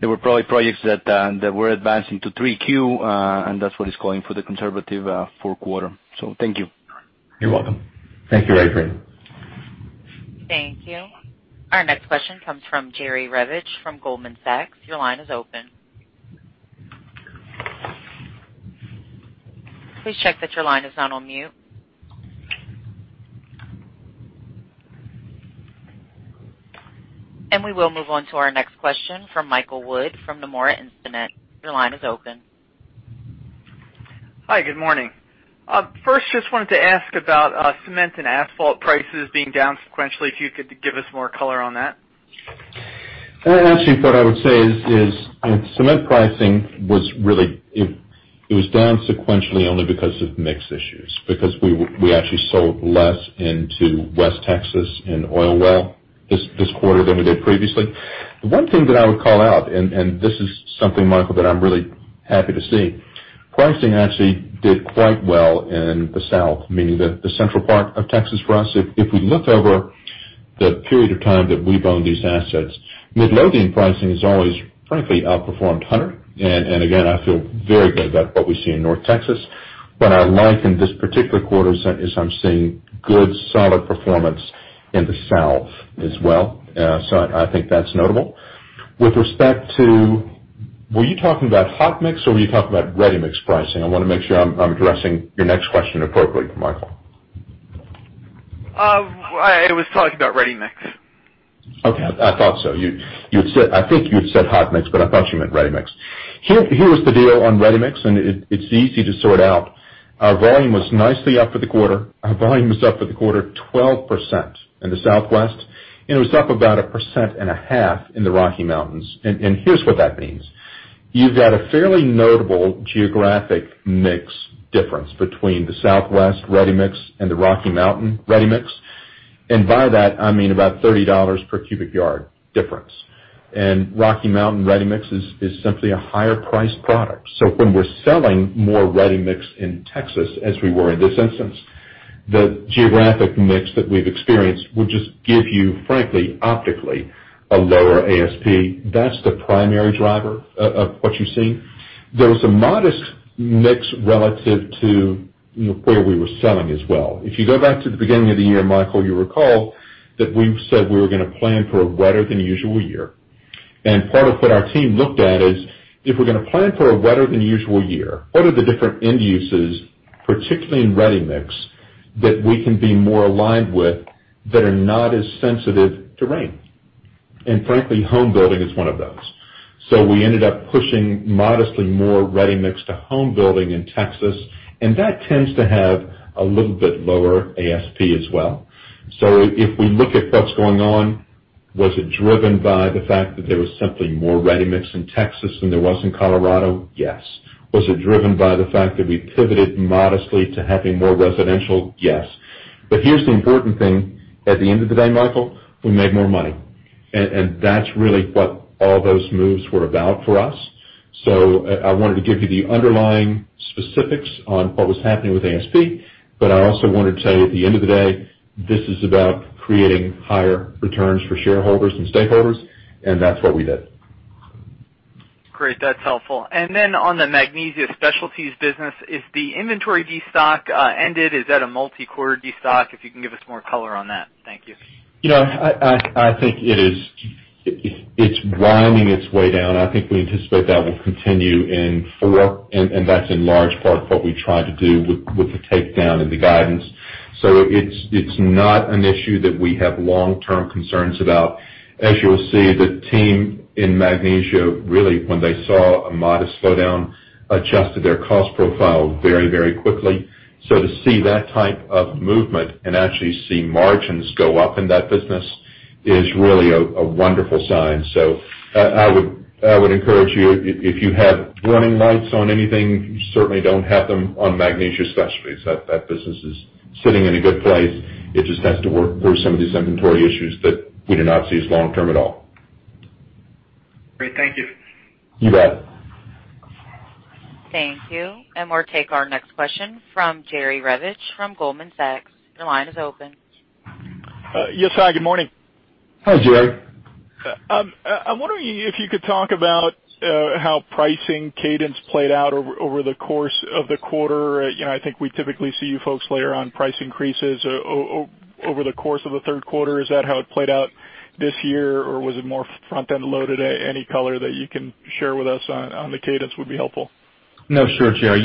there were probably projects that were advancing to 3Q, and that's what is calling for the conservative fourth quarter. Thank you. You're welcome. Thank you, Adrian. Thank you. Our next question comes from Jerry Revich from Goldman Sachs. Your line is open. Please check that your line is not on mute. We will move on to our next question from Mike Wood from Nomura Instinet. Your line is open. Hi, good morning. First, just wanted to ask about cement and asphalt prices being down sequentially, if you could give us more color on that. Actually, what I would say is cement pricing was down sequentially only because of mix issues, because we actually sold less into West Texas in oil well this quarter than we did previously. The one thing that I would call out, and this is something, Michael, that I'm really happy to see, pricing actually did quite well in the South, meaning the central part of Texas for us. If we look over the period of time that we've owned these assets, Midlothian pricing has always frankly outperformed Hunter, and again, I feel very good about what we see in North Texas. What I like in this particular quarter is I'm seeing good, solid performance in the South as well. I think that's notable. With respect to, were you talking about hot mix or were you talking about ready mix pricing? I want to make sure I'm addressing your next question appropriately, Michael. I was talking about ready mix. Okay. I thought so. I think you had said hot mix, but I thought you meant ready mix. Here is the deal on ready mix. It's easy to sort out. Our volume was nicely up for the quarter. Our volume was up for the quarter 12% in the Southwest. It was up about 1.5% in the Rocky Mountains. Here's what that means. You've got a fairly notable geographic mix difference between the Southwest ready mix and the Rocky Mountain ready mix. By that, I mean about $30 per cubic yard difference. Rocky Mountain ready mix is simply a higher priced product. When we're selling more ready mix in Texas, as we were in this instance, the geographic mix that we've experienced would just give you, frankly, optically, a lower ASP. That's the primary driver of what you're seeing. There was a modest mix relative to where we were selling as well. If you go back to the beginning of the year, Michael, you'll recall that we've said we were going to plan for a wetter than usual year. Part of what our team looked at is, if we're going to plan for a wetter than usual year, what are the different end uses, particularly in ready mix, that we can be more aligned with that are not as sensitive to rain? Frankly, home building is one of those. We ended up pushing modestly more ready mix to home building in Texas, and that tends to have a little bit lower ASP as well. If we look at what's going on, was it driven by the fact that there was simply more ready mix in Texas than there was in Colorado? Yes. Was it driven by the fact that we pivoted modestly to having more residential? Yes. Here's the important thing. At the end of the day, Michael, we made more money. That's really what all those moves were about for us. I wanted to give you the underlying specifics on what was happening with ASP, but I also wanted to tell you, at the end of the day, this is about creating higher returns for shareholders and stakeholders, and that's what we did. Great. That's helpful. On the Magnesia Specialties business, is the inventory destock ended? Is that a multi-quarter destock? If you can give us more color on that. Thank you. I think it's winding its way down. I think we anticipate that will continue in four. That's in large part what we tried to do with the takedown and the guidance. It's not an issue that we have long-term concerns about. As you will see, the team in Magnesia, really, when they saw a modest slowdown, adjusted their cost profile very quickly. To see that type of movement and actually see margins go up in that business is really a wonderful sign. I would encourage you, if you have warning lights on anything, you certainly don't have them on Magnesia Specialties. That business is sitting in a good place. It just has to work through some of these inventory issues that we do not see as long-term at all. Great. Thank you. You bet. Thank you. We'll take our next question from Jerry Revich from Goldman Sachs. Your line is open. Yes. Hi, good morning. Hi, Jerry. I'm wondering if you could talk about how pricing cadence played out over the course of the quarter. I think we typically see you folks layer on price increases over the course of the third quarter. Is that how it played out this year, or was it more front-end loaded? Any color that you can share with us on the cadence would be helpful. No, sure, Jerry.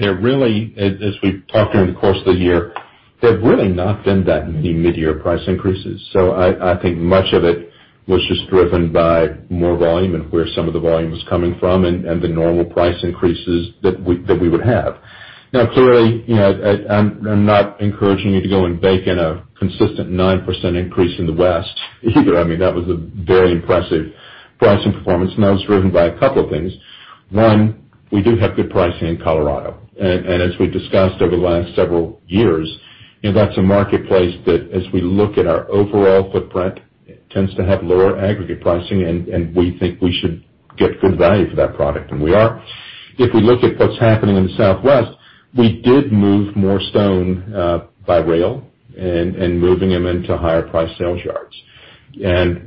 There really, as we've talked during the course of the year, there have really not been that many mid-year price increases. I think much of it was just driven by more volume and where some of the volume was coming from and the normal price increases that we would have. Clearly, I'm not encouraging you to go and bake in a consistent 9% increase in the West either. That was a very impressive pricing performance, and that was driven by a couple of things. One, we do have good pricing in Colorado. As we discussed over the last several years, that's a marketplace that as we look at our overall footprint, tends to have lower aggregate pricing, and we think we should get good value for that product. We are. If we look at what's happening in the Southwest, we did move more stone by rail and moving them into higher price sales yards.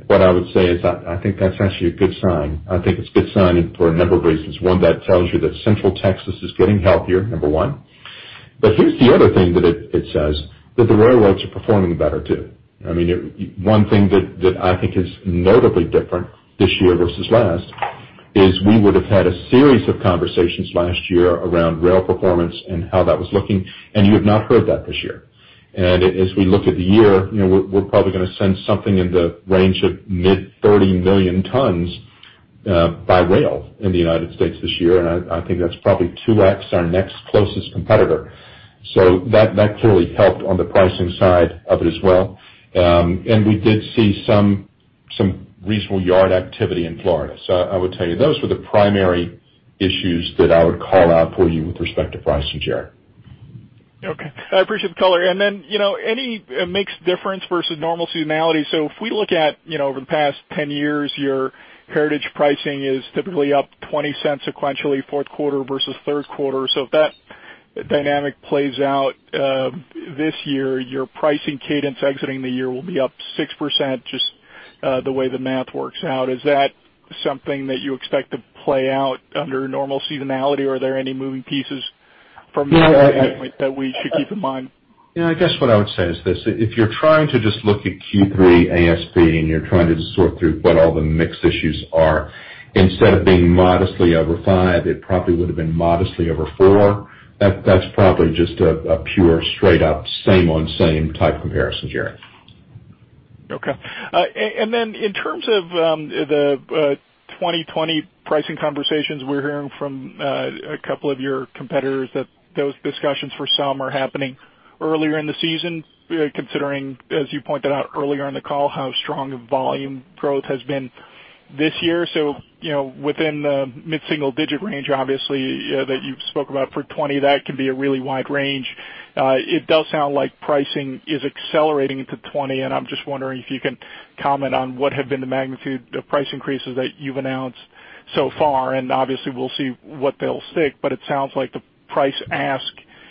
What I would say is, I think that's actually a good sign. I think it's a good sign for a number of reasons. One, that tells you that Central Texas is getting healthier, number one. Here's the other thing that it says, that the railroads are performing better, too. One thing that I think is notably different this year versus last is we would have had a series of conversations last year around rail performance and how that was looking, and you have not heard that this year. As we look at the year, we're probably going to send something in the range of mid 30 million tons by rail in the U.S. this year, I think that's probably 2x our next closest competitor. That clearly helped on the pricing side of it as well. We did see some reasonable yard activity in Florida. I would tell you, those were the primary issues that I would call out for you with respect to pricing, Jerry. Okay. I appreciate the color. Any mix difference versus normal seasonality? If we look at over the past 10 years, your heritage pricing is typically up $0.20 sequentially, fourth quarter versus third quarter. If that dynamic plays out this year, your pricing cadence exiting the year will be up 6%, just the way the math works out. Is that something that you expect to play out under normal seasonality, or are there any moving pieces from that standpoint that we should keep in mind? I guess what I would say is this. If you're trying to just look at Q3 ASP and you're trying to sort through what all the mix issues are, instead of being modestly over five, it probably would have been modestly over four. That's probably just a pure, straight-up, same-on-same type comparison, Jerry. Okay. In terms of the 2020 pricing conversations, we're hearing from a couple of your competitors that those discussions for some are happening earlier in the season, considering, as you pointed out earlier in the call, how strong volume growth has been this year. Within the mid-single digit range, obviously, that you've spoken about for 2020, that can be a really wide range. It does sound like pricing is accelerating into 2020, and I'm just wondering if you can comment on what have been the magnitude of price increases that you've announced so far. Obviously, we'll see what they'll stick, but it sounds like the price ask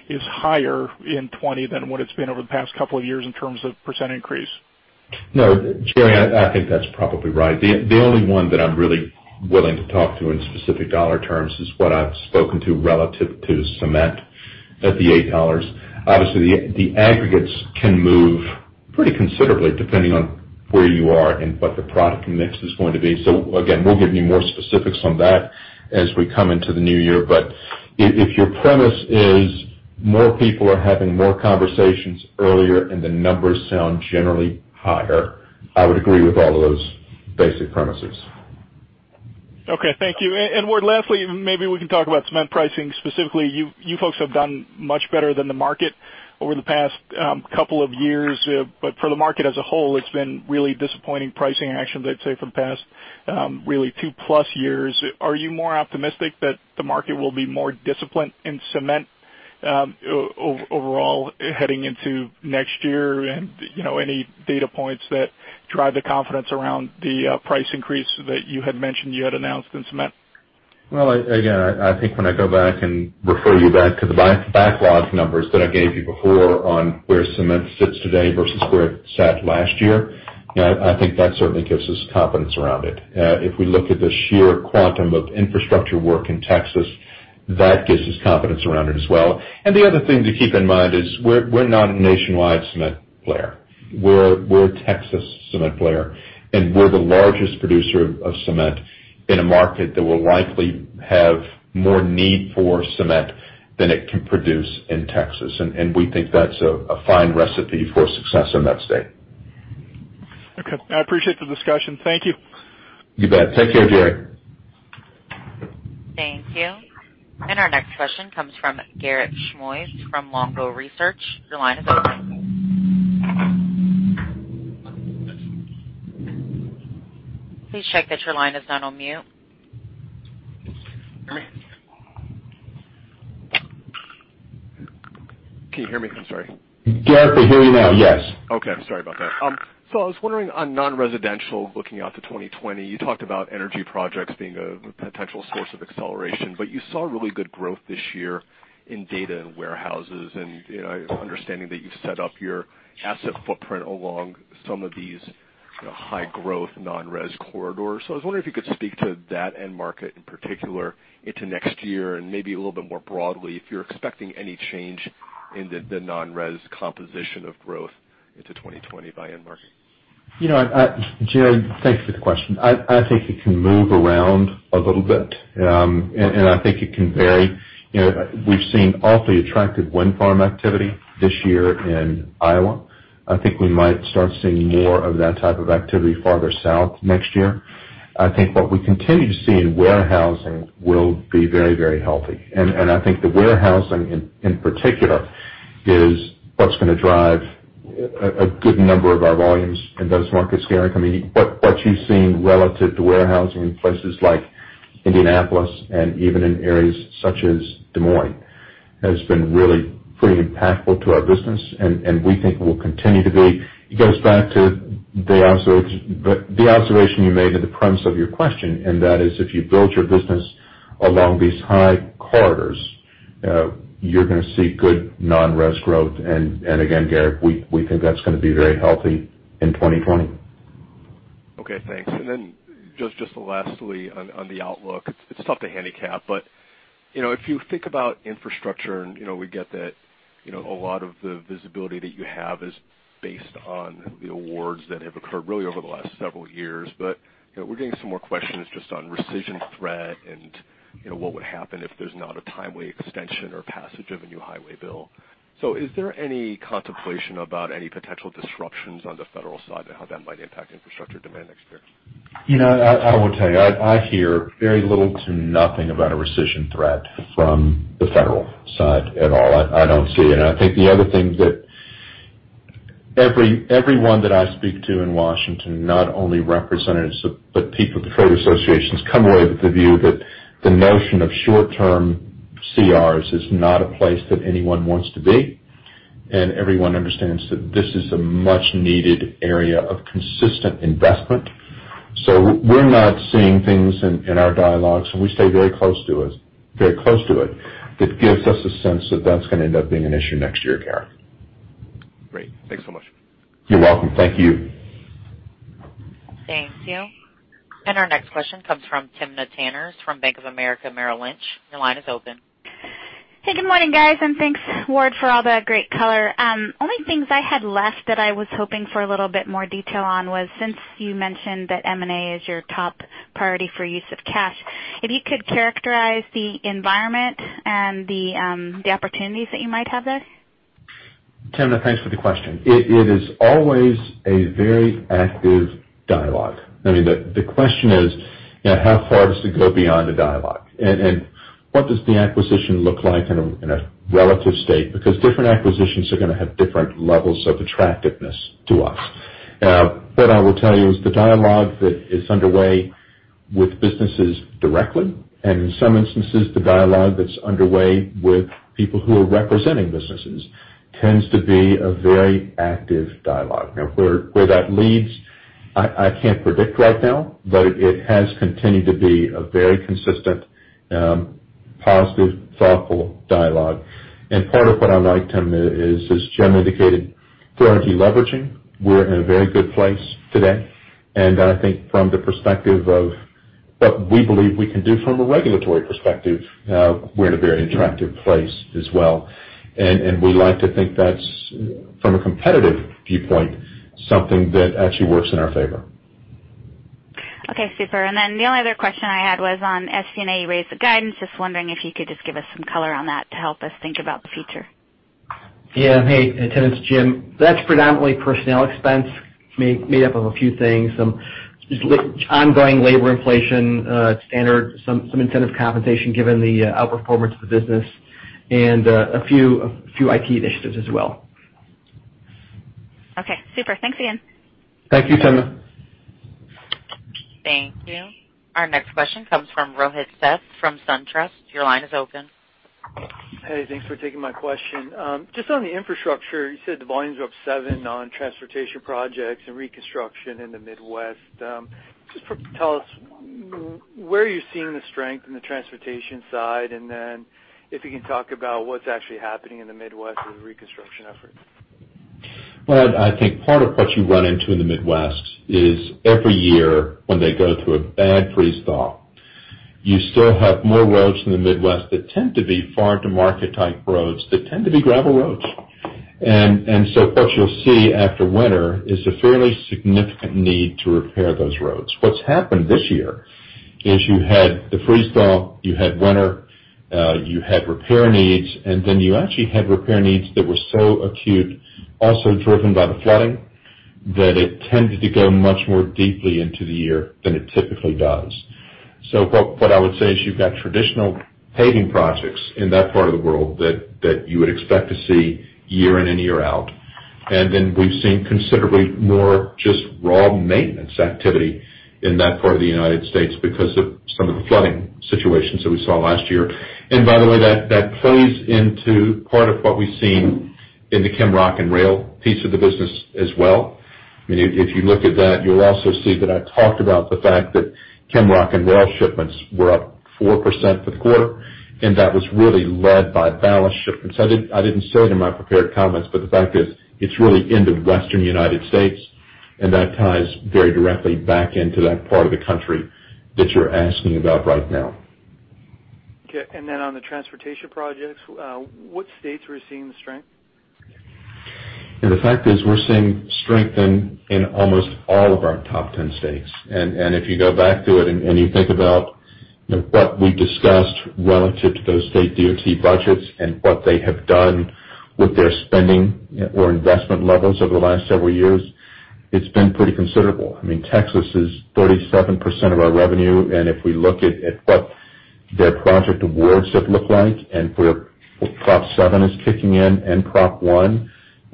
is higher in 2020 than what it's been over the past couple of years in terms of % increase. No, Jerry, I think that's probably right. The only one that I'm really willing to talk to in specific dollar terms is what I've spoken to relative to cement at the $8. Obviously, the aggregates can move pretty considerably depending on where you are and what the product mix is going to be. Again, we'll give you more specifics on that as we come into the new year. If your premise is more people are having more conversations earlier and the numbers sound generally higher, I would agree with all of those basic premises. Okay. Thank you. Ward, lastly, maybe we can talk about cement pricing specifically. You folks have done much better than the market over the past couple of years. For the market as a whole, it's been really disappointing pricing action, I'd say, for the past really two plus years. Are you more optimistic that the market will be more disciplined in cement overall heading into next year? Any data points that drive the confidence around the price increase that you had mentioned you had announced in cement? Again, I think when I go back and refer you back to the backlog numbers that I gave you before on where cement sits today versus where it sat last year, I think that certainly gives us confidence around it. If we look at the sheer quantum of infrastructure work in Texas, that gives us confidence around it as well. The other thing to keep in mind is we're not a nationwide cement player. We're a Texas cement player, and we're the largest producer of cement in a market that will likely have more need for cement than it can produce in Texas. We think that's a fine recipe for success in that state. Okay. I appreciate the discussion. Thank you. You bet. Take care, Jerry. Thank you. Our next question comes from Garik Shmois from Longbow Research. Your line is open. Please check that your line is not on mute. Can you hear me? I'm sorry. Garik, we hear you now. Yes. Okay. Sorry about that. I was wondering on non-residential, looking out to 2020, you talked about energy projects being a potential source of acceleration, but you saw really good growth this year in data and warehouses, and understanding that you've set up your asset footprint along some of these high growth non-res corridors. I was wondering if you could speak to that end market in particular into next year, and maybe a little bit more broadly, if you're expecting any change in the non-res composition of growth into 2020 by end market. Jim, thanks for the question. I think it can move around a little bit. I think it can vary. We've seen awfully attractive wind farm activity this year in Iowa. I think we might start seeing more of that type of activity farther south next year. I think what we continue to see in warehousing will be very healthy. I think the warehousing in particular is what's going to drive a good number of our volumes in those markets, Garik. What you've seen relative to warehousing in places like Indianapolis and even in areas such as Des Moines, has been really pretty impactful to our business, and we think will continue to be. It goes back to the observation you made in the premise of your question, and that is, if you build your business along these high corridors, you're going to see good non-res growth. Again, Garik, we think that's going to be very healthy in 2020. Okay, thanks. Just lastly on the outlook. It's tough to handicap, but if you think about infrastructure, and we get that a lot of the visibility that you have is based on the awards that have occurred really over the last several years, but we're getting some more questions just on rescission threat and what would happen if there's not a timely extension or passage of a new highway bill. Is there any contemplation about any potential disruptions on the federal side and how that might impact infrastructure demand next year? I will tell you, I hear very little to nothing about a rescission threat from the federal side at all. I don't see it. I think the other thing that everyone that I speak to in Washington, not only representatives, but people at the trade associations, come away with the view that the notion of short-term CRs is not a place that anyone wants to be. Everyone understands that this is a much needed area of consistent investment. We're not seeing things in our dialogues, and we stay very close to it, that gives us a sense that that's going to end up being an issue next year, Garik. Great. Thanks so much. You're welcome. Thank you. Thank you. Our next question comes from Timna Tanners from Bank of America Merrill Lynch. Your line is open. Good morning, guys. Thanks, Ward, for all the great color. Only things I had left that I was hoping for a little bit more detail on was since you mentioned that M&A is your top priority for use of cash, if you could characterize the environment and the opportunities that you might have there. Timna, thanks for the question. It is always a very active dialogue. The question is how far does it go beyond a dialogue? What does the acquisition look like in a relative state? Because different acquisitions are going to have different levels of attractiveness to us. What I will tell you is the dialogue that is underway with businesses directly, and in some instances, the dialogue that's underway with people who are representing businesses, tends to be a very active dialogue. Now, where that leads, I can't predict right now, but it has continued to be a very consistent, positive, thoughtful dialogue. Part of what I like, Timna, as Jim indicated, we're already leveraging. We're in a very good place today. I think from the perspective of what we believe we can do from a regulatory perspective, we're in a very attractive place as well. We like to think that's, from a competitive viewpoint, something that actually works in our favor. Okay, super. Then the only other question I had was on SG&A, you raised the guidance. Just wondering if you could just give us some color on that to help us think about the future. Yeah. Hey, Timna, it's Jim. That's predominantly personnel expense made up of a few things, some ongoing labor inflation, standard, some incentive compensation given the outperformance of the business, and a few IT initiatives as well. Okay, super. Thanks again. Thank you, Timna. Thank you. Our next question comes from Rohit Seth from SunTrust. Your line is open. Hey, thanks for taking my question. On the infrastructure, you said the volume's up seven on transportation projects and reconstruction in the Mideast. Tell us, where are you seeing the strength in the transportation side, if you can talk about what's actually happening in the Mideast with reconstruction efforts. Well, I think part of what you run into in the Midwest is every year when they go through a bad freeze thaw, you still have more roads in the Midwest that tend to be far to market type roads, that tend to be gravel roads. What you'll see after winter is a fairly significant need to repair those roads. What's happened this year is you had the freeze thaw, you had winter, you had repair needs, you actually had repair needs that were so acute, also driven by the flooding, that it tended to go much more deeply into the year than it typically does. What I would say is you've got traditional paving projects in that part of the world that you would expect to see year in and year out. Then we've seen considerably more just raw maintenance activity in that part of the United States because of some of the flooding situations that we saw last year. By the way, that plays into part of what we've seen in the ChemRock and rail piece of the business as well. If you look at that, you'll also see that I talked about the fact that ChemRock and rail shipments were up 4% for the quarter, and that was really led by ballast shipments. I didn't say it in my prepared comments, but the fact is it's really into the Western United States, and that ties very directly back into that part of the country that you're asking about right now. Okay. Then on the transportation projects, what states are we seeing the strength? The fact is we're seeing strength in almost all of our top 10 states. If you go back to it and you think about what we discussed relative to those state DOT budgets and what they have done with their spending or investment levels over the last several years, it's been pretty considerable. Texas is 37% of our revenue, and if we look at what their project awards have looked like and where Prop 7 is kicking in and Prop 1,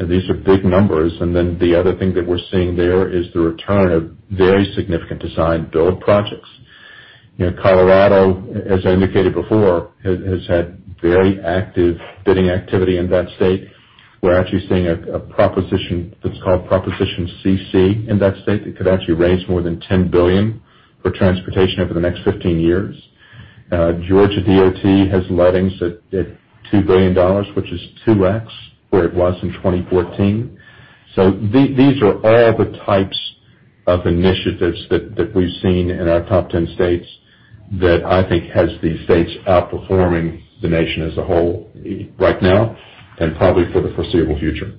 these are big numbers. The other thing that we're seeing there is the return of very significant design build projects. Colorado, as I indicated before, has had very active bidding activity in that state. We're actually seeing a proposition that's called Proposition CC in that state that could actually raise more than $10 billion for transportation over the next 15 years. Georgia DOT has lettings at $2 billion, which is 2x where it was in 2014. These are all the types of initiatives that we've seen in our top 10 states that I think has these states outperforming the nation as a whole right now and probably for the foreseeable future.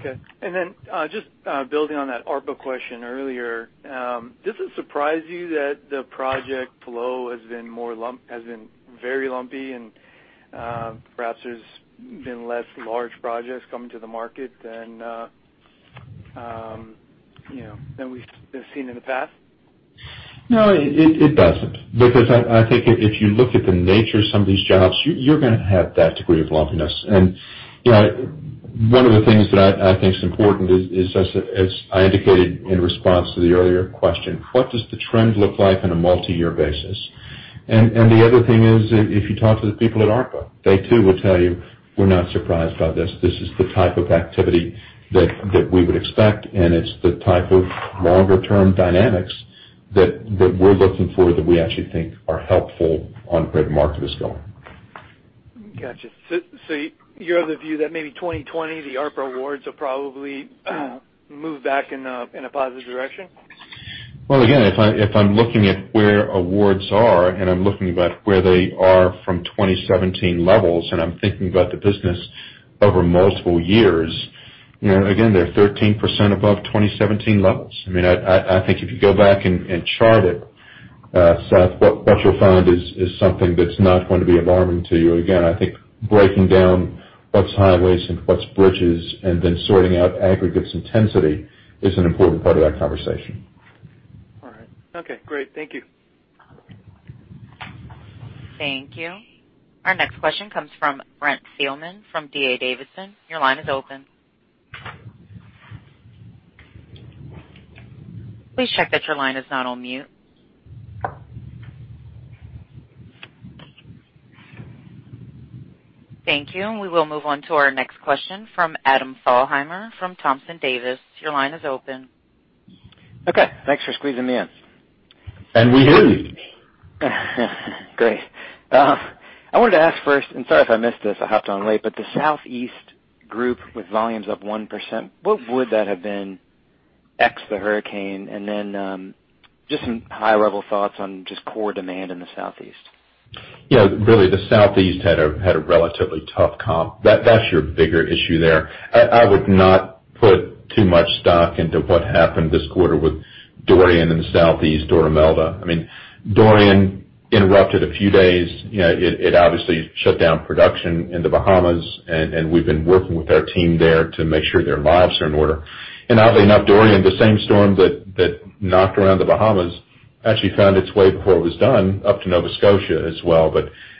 Okay. Then just building on that ARTBA question earlier, does it surprise you that the project flow has been very lumpy and perhaps there's been less large projects coming to the market than we've seen in the past? No, it doesn't. I think if you look at the nature of some of these jobs, you're going to have that degree of lumpiness. One of the things that I think is important is, as I indicated in response to the earlier question, what does the trend look like on a multi-year basis? The other thing is, if you talk to the people at ARTBA, they too will tell you, we're not surprised by this. This is the type of activity that we would expect, and it's the type of longer term dynamics that we're looking for that we actually think are helpful on where the market is going. Got you. You're of the view that maybe 2020, the ARTBA awards will probably move back in a positive direction? Again, if I'm looking at where awards are, I'm looking about where they are from 2017 levels, I'm thinking about the business over multiple years, again, they're 13% above 2017 levels. I think if you go back and chart it, Seth, what you'll find is something that's not going to be alarming to you. I think breaking down what's highways and what's bridges and then sorting out aggregates intensity is an important part of that conversation. All right. Okay, great. Thank you. Thank you. Our next question comes from Brent Thielman from D.A. Davidson. Your line is open. Please check that your line is not on mute. Thank you. We will move on to our next question from Adam Thalhimer from Thompson Davis. Your line is open. Okay. Thanks for squeezing me in. We hear you. Great. I wanted to ask first, sorry if I missed this, I hopped on late, the Southeast Group with volumes up 1%, what would that have been, X the hurricane? Then just some high-level thoughts on just core demand in the Southeast. The Southeast had a relatively tough comp. That's your bigger issue there. I would not put too much stock into what happened this quarter with Dorian in the Southeast, Dora Melba. Dorian interrupted a few days. It obviously shut down production in the Bahamas, we've been working with our team there to make sure their lives are in order. Oddly enough, Dorian, the same storm that knocked around the Bahamas, actually found its way before it was done up to Nova Scotia as well.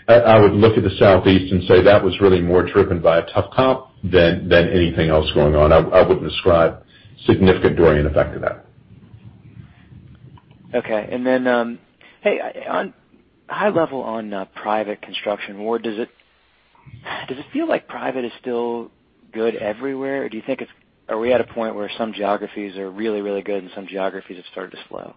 I would look at the Southeast and say that was really more driven by a tough comp than anything else going on. I wouldn't ascribe significant Dorian effect to that. Okay. Hey, on high level on private construction, Ward, does it feel like private is still good everywhere, or are we at a point where some geographies are really, really good and some geographies have started to slow?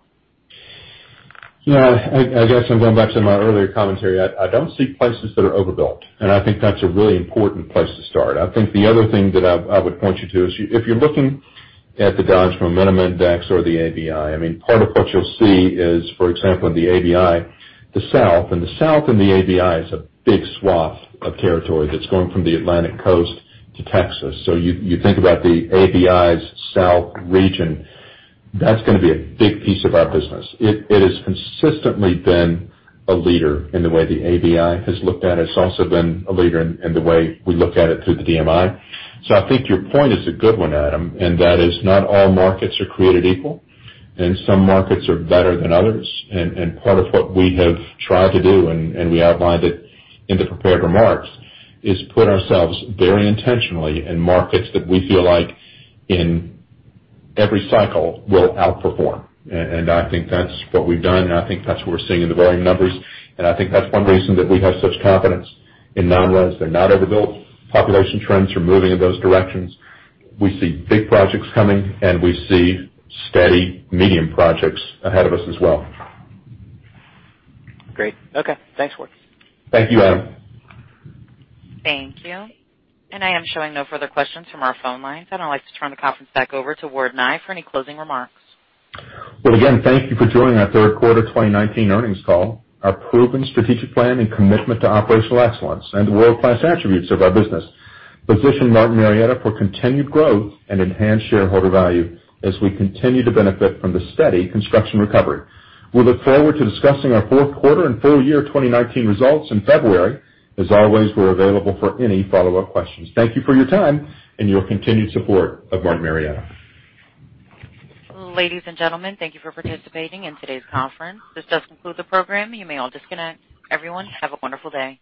I guess I'm going back to my earlier commentary. I don't see places that are overbuilt. I think that's a really important place to start. I think the other thing that I would point you to is if you're looking at the Dodge Momentum Index or the ABI, part of what you'll see is, for example, in the ABI, the South, and the South and the ABI is a big swath of territory that's going from the Atlantic coast to Texas. You think about the ABI's South region, that's going to be a big piece of our business. It has consistently been a leader in the way the ABI has looked at it. It's also been a leader in the way we look at it through the DMI. I think your point is a good one, Adam, and that is not all markets are created equal, and some markets are better than others. Part of what we have tried to do, and we outlined it in the prepared remarks, is put ourselves very intentionally in markets that we feel like in every cycle will outperform. I think that's what we've done, and I think that's what we're seeing in the volume numbers. I think that's one reason that we have such confidence in non-res. They're not overbuilt. Population trends are moving in those directions. We see big projects coming, and we see steady medium projects ahead of us as well. Great. Okay. Thanks, Ward. Thank you, Adam. Thank you. I am showing no further questions from our phone lines. I'd now like to turn the conference back over to Ward Nye for any closing remarks. Well, again, thank you for joining our third quarter 2019 earnings call. Our proven strategic plan and commitment to operational excellence and the world-class attributes of our business position Martin Marietta for continued growth and enhanced shareholder value as we continue to benefit from the steady construction recovery. We look forward to discussing our fourth quarter and full year 2019 results in February. As always, we're available for any follow-up questions. Thank you for your time and your continued support of Martin Marietta. Ladies and gentlemen, thank you for participating in today's conference. This does conclude the program. You may all disconnect. Everyone, have a wonderful day.